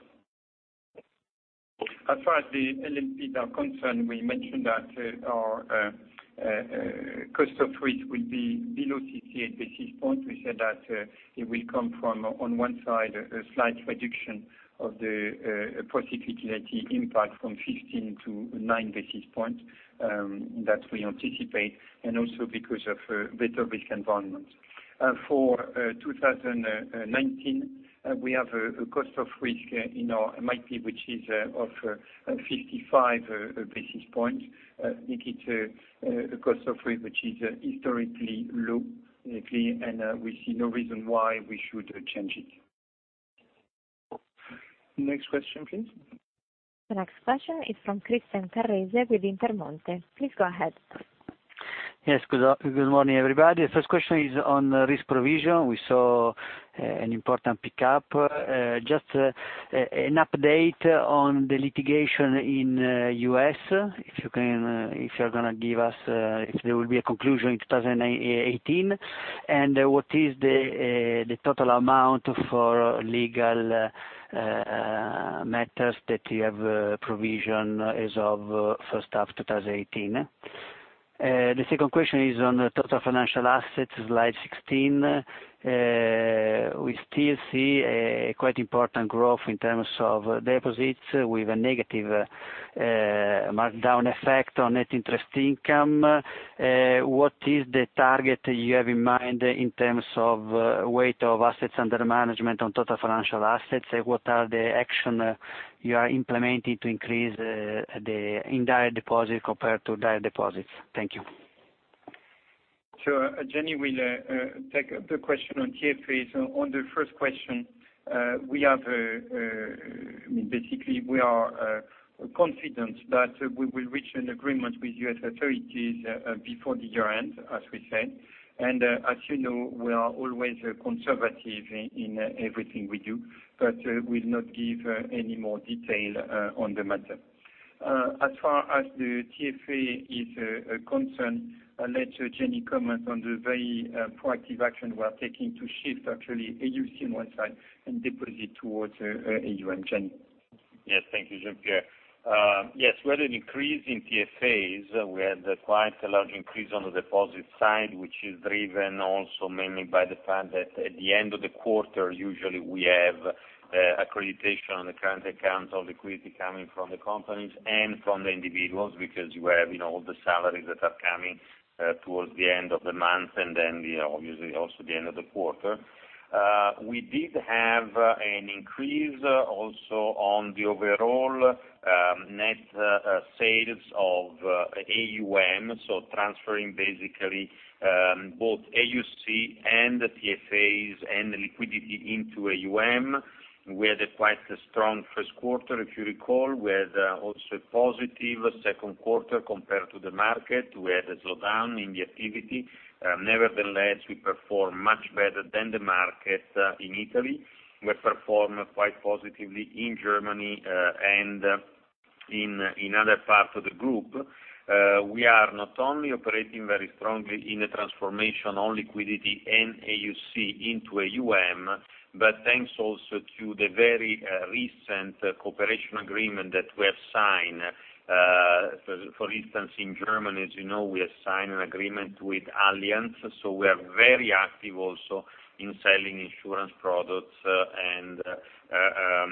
Speaker 2: As far as the LLPs are concerned, we mentioned that our cost of risk will be below 68 basis points. We said that it will come from, on one side, a slight reduction of the procyclicality impact from 15 to nine basis points that we anticipate, and also because of better risk environment. For 2019, we have a cost of risk in our MIP, which is of 55 basis points. I think it's a cost of risk which is historically low, basically, and we see no reason why we should change it. Next question, please.
Speaker 1: The next question is from Christian Carrese with Intermonte. Please go ahead.
Speaker 16: Yes, good morning, everybody. First question is on risk provision. We saw an important pickup. Just an update on the litigation in U.S., if you're going to give us if there will be a conclusion in 2018, and what is the total amount for legal matters that you have provision as of first half 2018? The second question is on the total financial assets, slide 16. We still see a quite important growth in terms of deposits with a negative markdown effect on net interest income. What is the target you have in mind in terms of weight of assets under management on total financial assets? What are the action you are implementing to increase the indirect deposits compared to direct deposits? Thank you.
Speaker 2: Sure. Gianni will take the question on TFAs. On the first question, basically we are confident that we will reach an agreement with U.S. authorities before the year-end, as we said. As you know, we are always conservative in everything we do, but we'll not give any more detail on the matter. As far as the TFA is concerned, I'll let Gianni comment on the very proactive action we are taking to shift actually AUC on one side and deposit towards AUM. Gianni.
Speaker 5: Yes. Thank you, Jean-Pierre. Yes, we had an increase in TFAs. We had quite a large increase on the deposit side, which is driven also mainly by the fact that at the end of the quarter, usually we have accreditation on the current accounts of liquidity coming from the companies and from the individuals, because you have all the salaries that are coming towards the end of the month, and then obviously also the end of the quarter. We did have an increase also on the overall net sales of AUM, so transferring basically both AUC and TFAs and liquidity into AUM. We had a quite strong first quarter, if you recall. We had also a positive second quarter compared to the market. We had a slowdown in the activity. Nevertheless, we performed much better than the market in Italy. We performed quite positively in Germany and in other parts of the group. We are not only operating very strongly in the transformation on liquidity and AUC into AUM, but thanks also to the very recent cooperation agreement that we have signed. For instance, in Germany, as you know, we have signed an agreement with Allianz, so we are very active also in selling insurance products and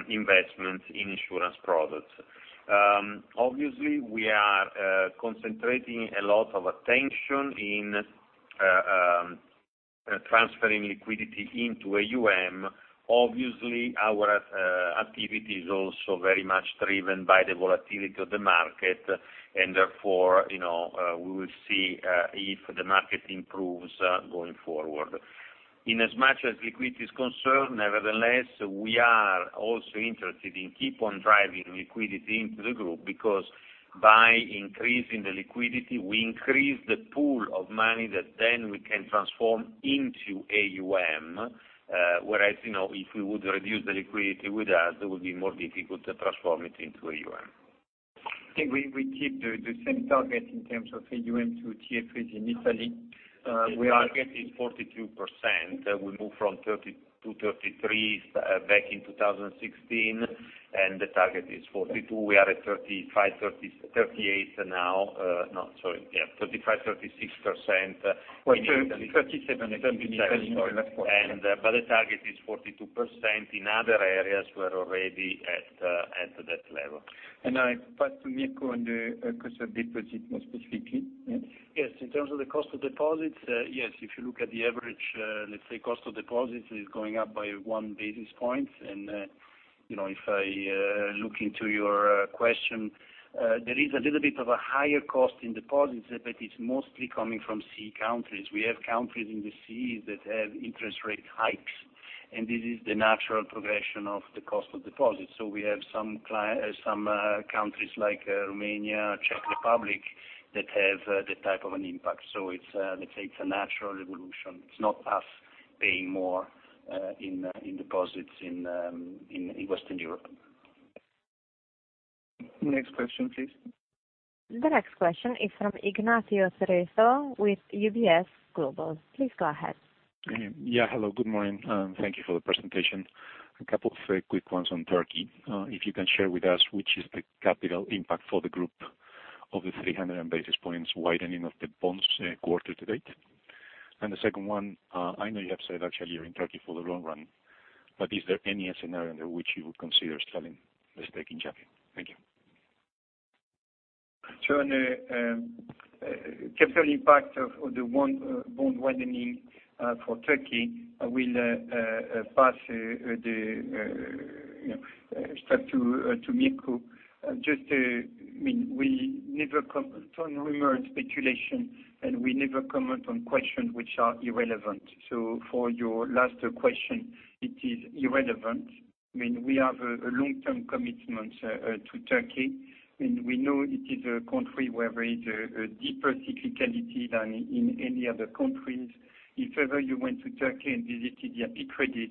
Speaker 5: investments in insurance products. We are concentrating a lot of attention in transferring liquidity into AUM. Our activity is also very much driven by the volatility of the market, and therefore, we will see if the market improves going forward. In as much as liquidity is concerned, nevertheless, we are also interested in keep on driving liquidity into the group, because by increasing the liquidity, we increase the pool of money that then we can transform into AUM. If we would reduce the liquidity with us, it would be more difficult to transform it into AUM.
Speaker 2: I think we keep the same target in terms of AUM to TFAs in Italy.
Speaker 5: The target is 42%. We moved from 32%, 33% back in 2016. The target is 42%. We are at 35%, 36% in Italy.
Speaker 2: 37% in Italy.
Speaker 5: The target is 42%. In other areas, we are already at that level.
Speaker 2: I pass to Mirko on the cost of deposit, more specifically.
Speaker 3: Yes. In terms of the cost of deposits, yes, if you look at the average, let's say cost of deposits is going up by one basis point. If I look into your question, there is a little bit of a higher cost in deposits, but it's mostly coming from CEE countries. We have countries in the CEE that have interest rate hikes, and this is the natural progression of the cost of deposits. We have some countries like Romania, Czech Republic, that have that type of an impact. Let's say it's a natural evolution. It's not us paying more in deposits in Western Europe.
Speaker 2: Next question, please.
Speaker 1: The next question is from Ignacio Cerezo with UBS Global. Please go ahead.
Speaker 17: Hello. Good morning, and thank you for the presentation. A couple of quick ones on Turkey. If you can share with us which is the capital impact for the group of the 300 basis points widening of the bonds quarter to date. The second one, I know you have said actually you're in Turkey for the long run, but is there any scenario under which you would consider selling the stake in Yapı? Thank you.
Speaker 2: On the capital impact of the bond widening for Turkey, I will pass the script to Mirko. We never comment on rumor and speculation, and we never comment on questions which are irrelevant. For your last question, it is irrelevant. We have a long-term commitment to Turkey, and we know it is a country where there is a deeper cyclicality than in any other countries. If ever you went to Turkey and visited the Yapı Kredi,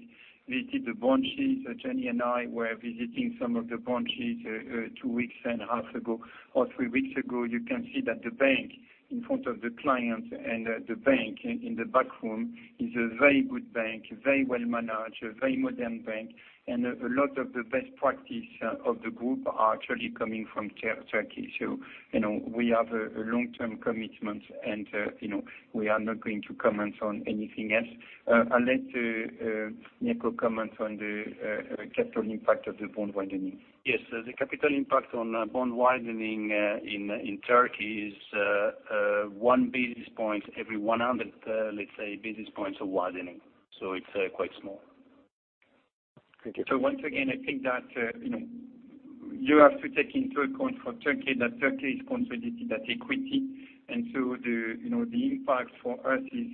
Speaker 2: visited the branches, Gianni and I were visiting some of the branches two weeks and a half ago, or three weeks ago. You can see that the bank in front of the clients and the bank in the back room is a very good bank, very well managed, a very modern bank. A lot of the best practice of the group are actually coming from Turkey. We have a long-term commitment, and we are not going to comment on anything else. I'll let Mirko comment on the capital impact of the bond widening.
Speaker 3: Yes. The capital impact on bond widening in Turkey is one basis point every 100, let's say, basis points of widening. It's quite small.
Speaker 17: Thank you.
Speaker 2: Once again, I think that you have to take into account for Turkey that Turkey is consolidated at equity, the impact for us is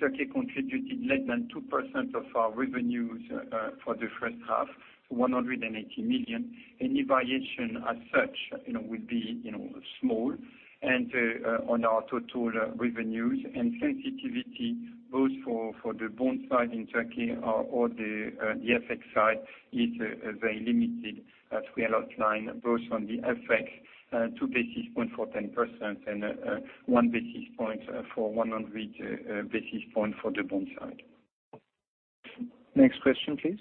Speaker 2: Turkey contributed less than 2% of our revenues for the first half, 180 million. Any variation as such will be small on our total revenues. Sensitivity, both for the bond side in Turkey or the FX side, is very limited, as we outlined, both on the FX, two basis points for 10% and one basis point for 100 basis point for the bond side. Next question, please.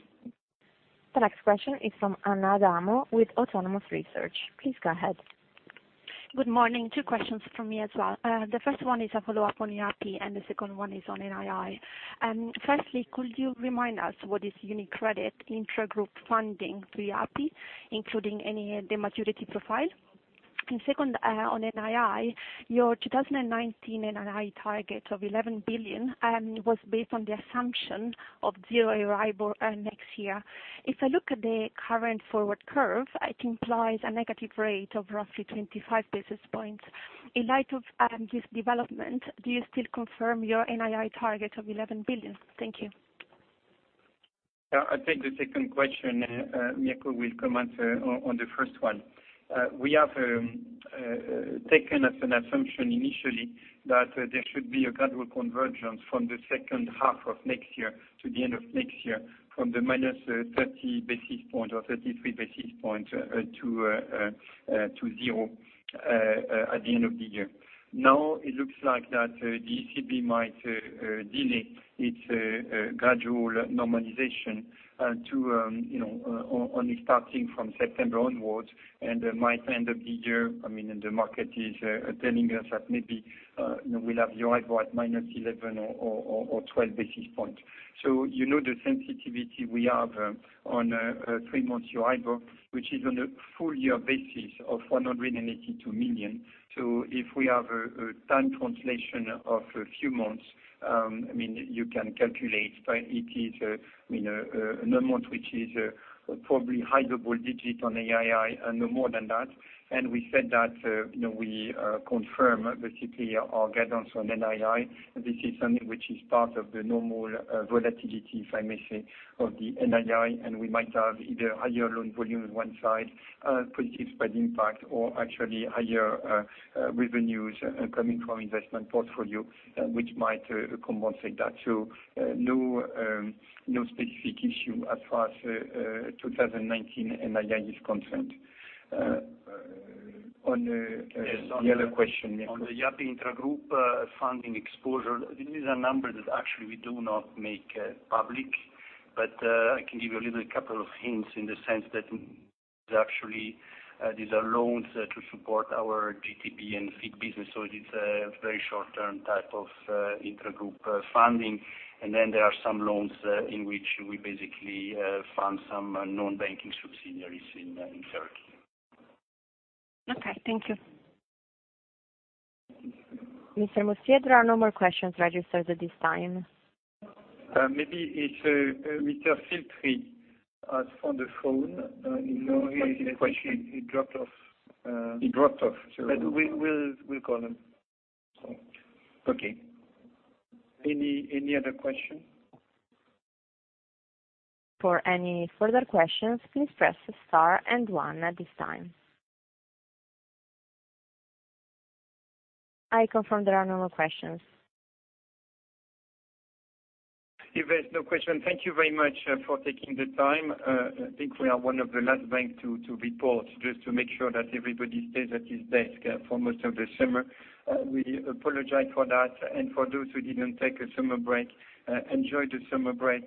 Speaker 1: The next question is from Anna Adamo with Autonomous Research. Please go ahead.
Speaker 18: Good morning. 2 questions from me as well. The first one is a follow-up on IRP, the second one is on NII. Firstly, could you remind us what is UniCredit intra-group funding through IRP, including any of the maturity profile? Second, on NII, your 2019 NII target of 11 billion was based on the assumption of zero Euribor next year. If I look at the current forward curve, it implies a negative rate of roughly 25 basis points. In light of this development, do you still confirm your NII target of 11 billion? Thank you.
Speaker 2: I'll take the second question. Mirko will comment on the first one. We have taken as an assumption initially that there should be a gradual convergence from the second half of next year to the end of next year from the -30 basis point or -33 basis point to zero at the end of the year. Now it looks like that the ECB might delay its gradual normalization to only starting from September onwards and might end up the year, the market is telling us that maybe we'll have Euribor at -11 or -12 basis points. You know the sensitivity we have on three months Euribor, which is on a full year basis of 182 million. If we have a time translation of a few months, you can calculate, but it is an amount which is probably high double-digit on NII and no more than that. We said that we confirm basically our guidance on NII. This is something which is part of the normal volatility, if I may say, of the NII, we might have either higher loan volume on one side, positive spread impact, or actually higher revenues coming from investment portfolio, which might compensate that. No specific issue as far as 2019 NII is concerned. On the other question, Mirko.
Speaker 3: On the IRP intra-group funding exposure, this is a number that actually we do not make public, but I can give you a little couple of hints in the sense that actually these are loans to support our GTB and [FiT] business, so it is a very short-term type of intra-group funding. Then there are some loans in which we basically fund some non-banking subsidiaries in Turkey.
Speaker 18: Thank you.
Speaker 1: Mr. Mustier, there are no more questions registered at this time.
Speaker 2: Maybe it's Mr. Filtri on the phone. No, I think he dropped off.
Speaker 3: He dropped off.
Speaker 2: We'll call him.
Speaker 3: Okay.
Speaker 2: Any other questions?
Speaker 1: For any further questions, please press star and one at this time. I confirm there are no more questions.
Speaker 2: If there's no question, thank you very much for taking the time. I think we are one of the last banks to report, just to make sure that everybody stays at his desk for most of the summer. We apologize for that, and for those who didn't take a summer break, enjoy the summer break,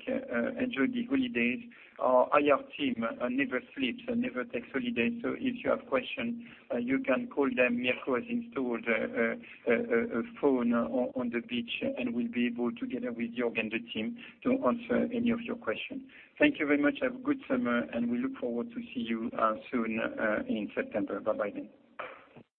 Speaker 2: enjoy the holidays. Our IR team never sleeps and never takes holidays, so if you have questions, you can call them. Mirco has installed a phone on the beach, and we'll be able, together with Jörg and the team, to answer any of your questions. Thank you very much. Have a good summer, and we look forward to see you soon in September. Bye-bye then.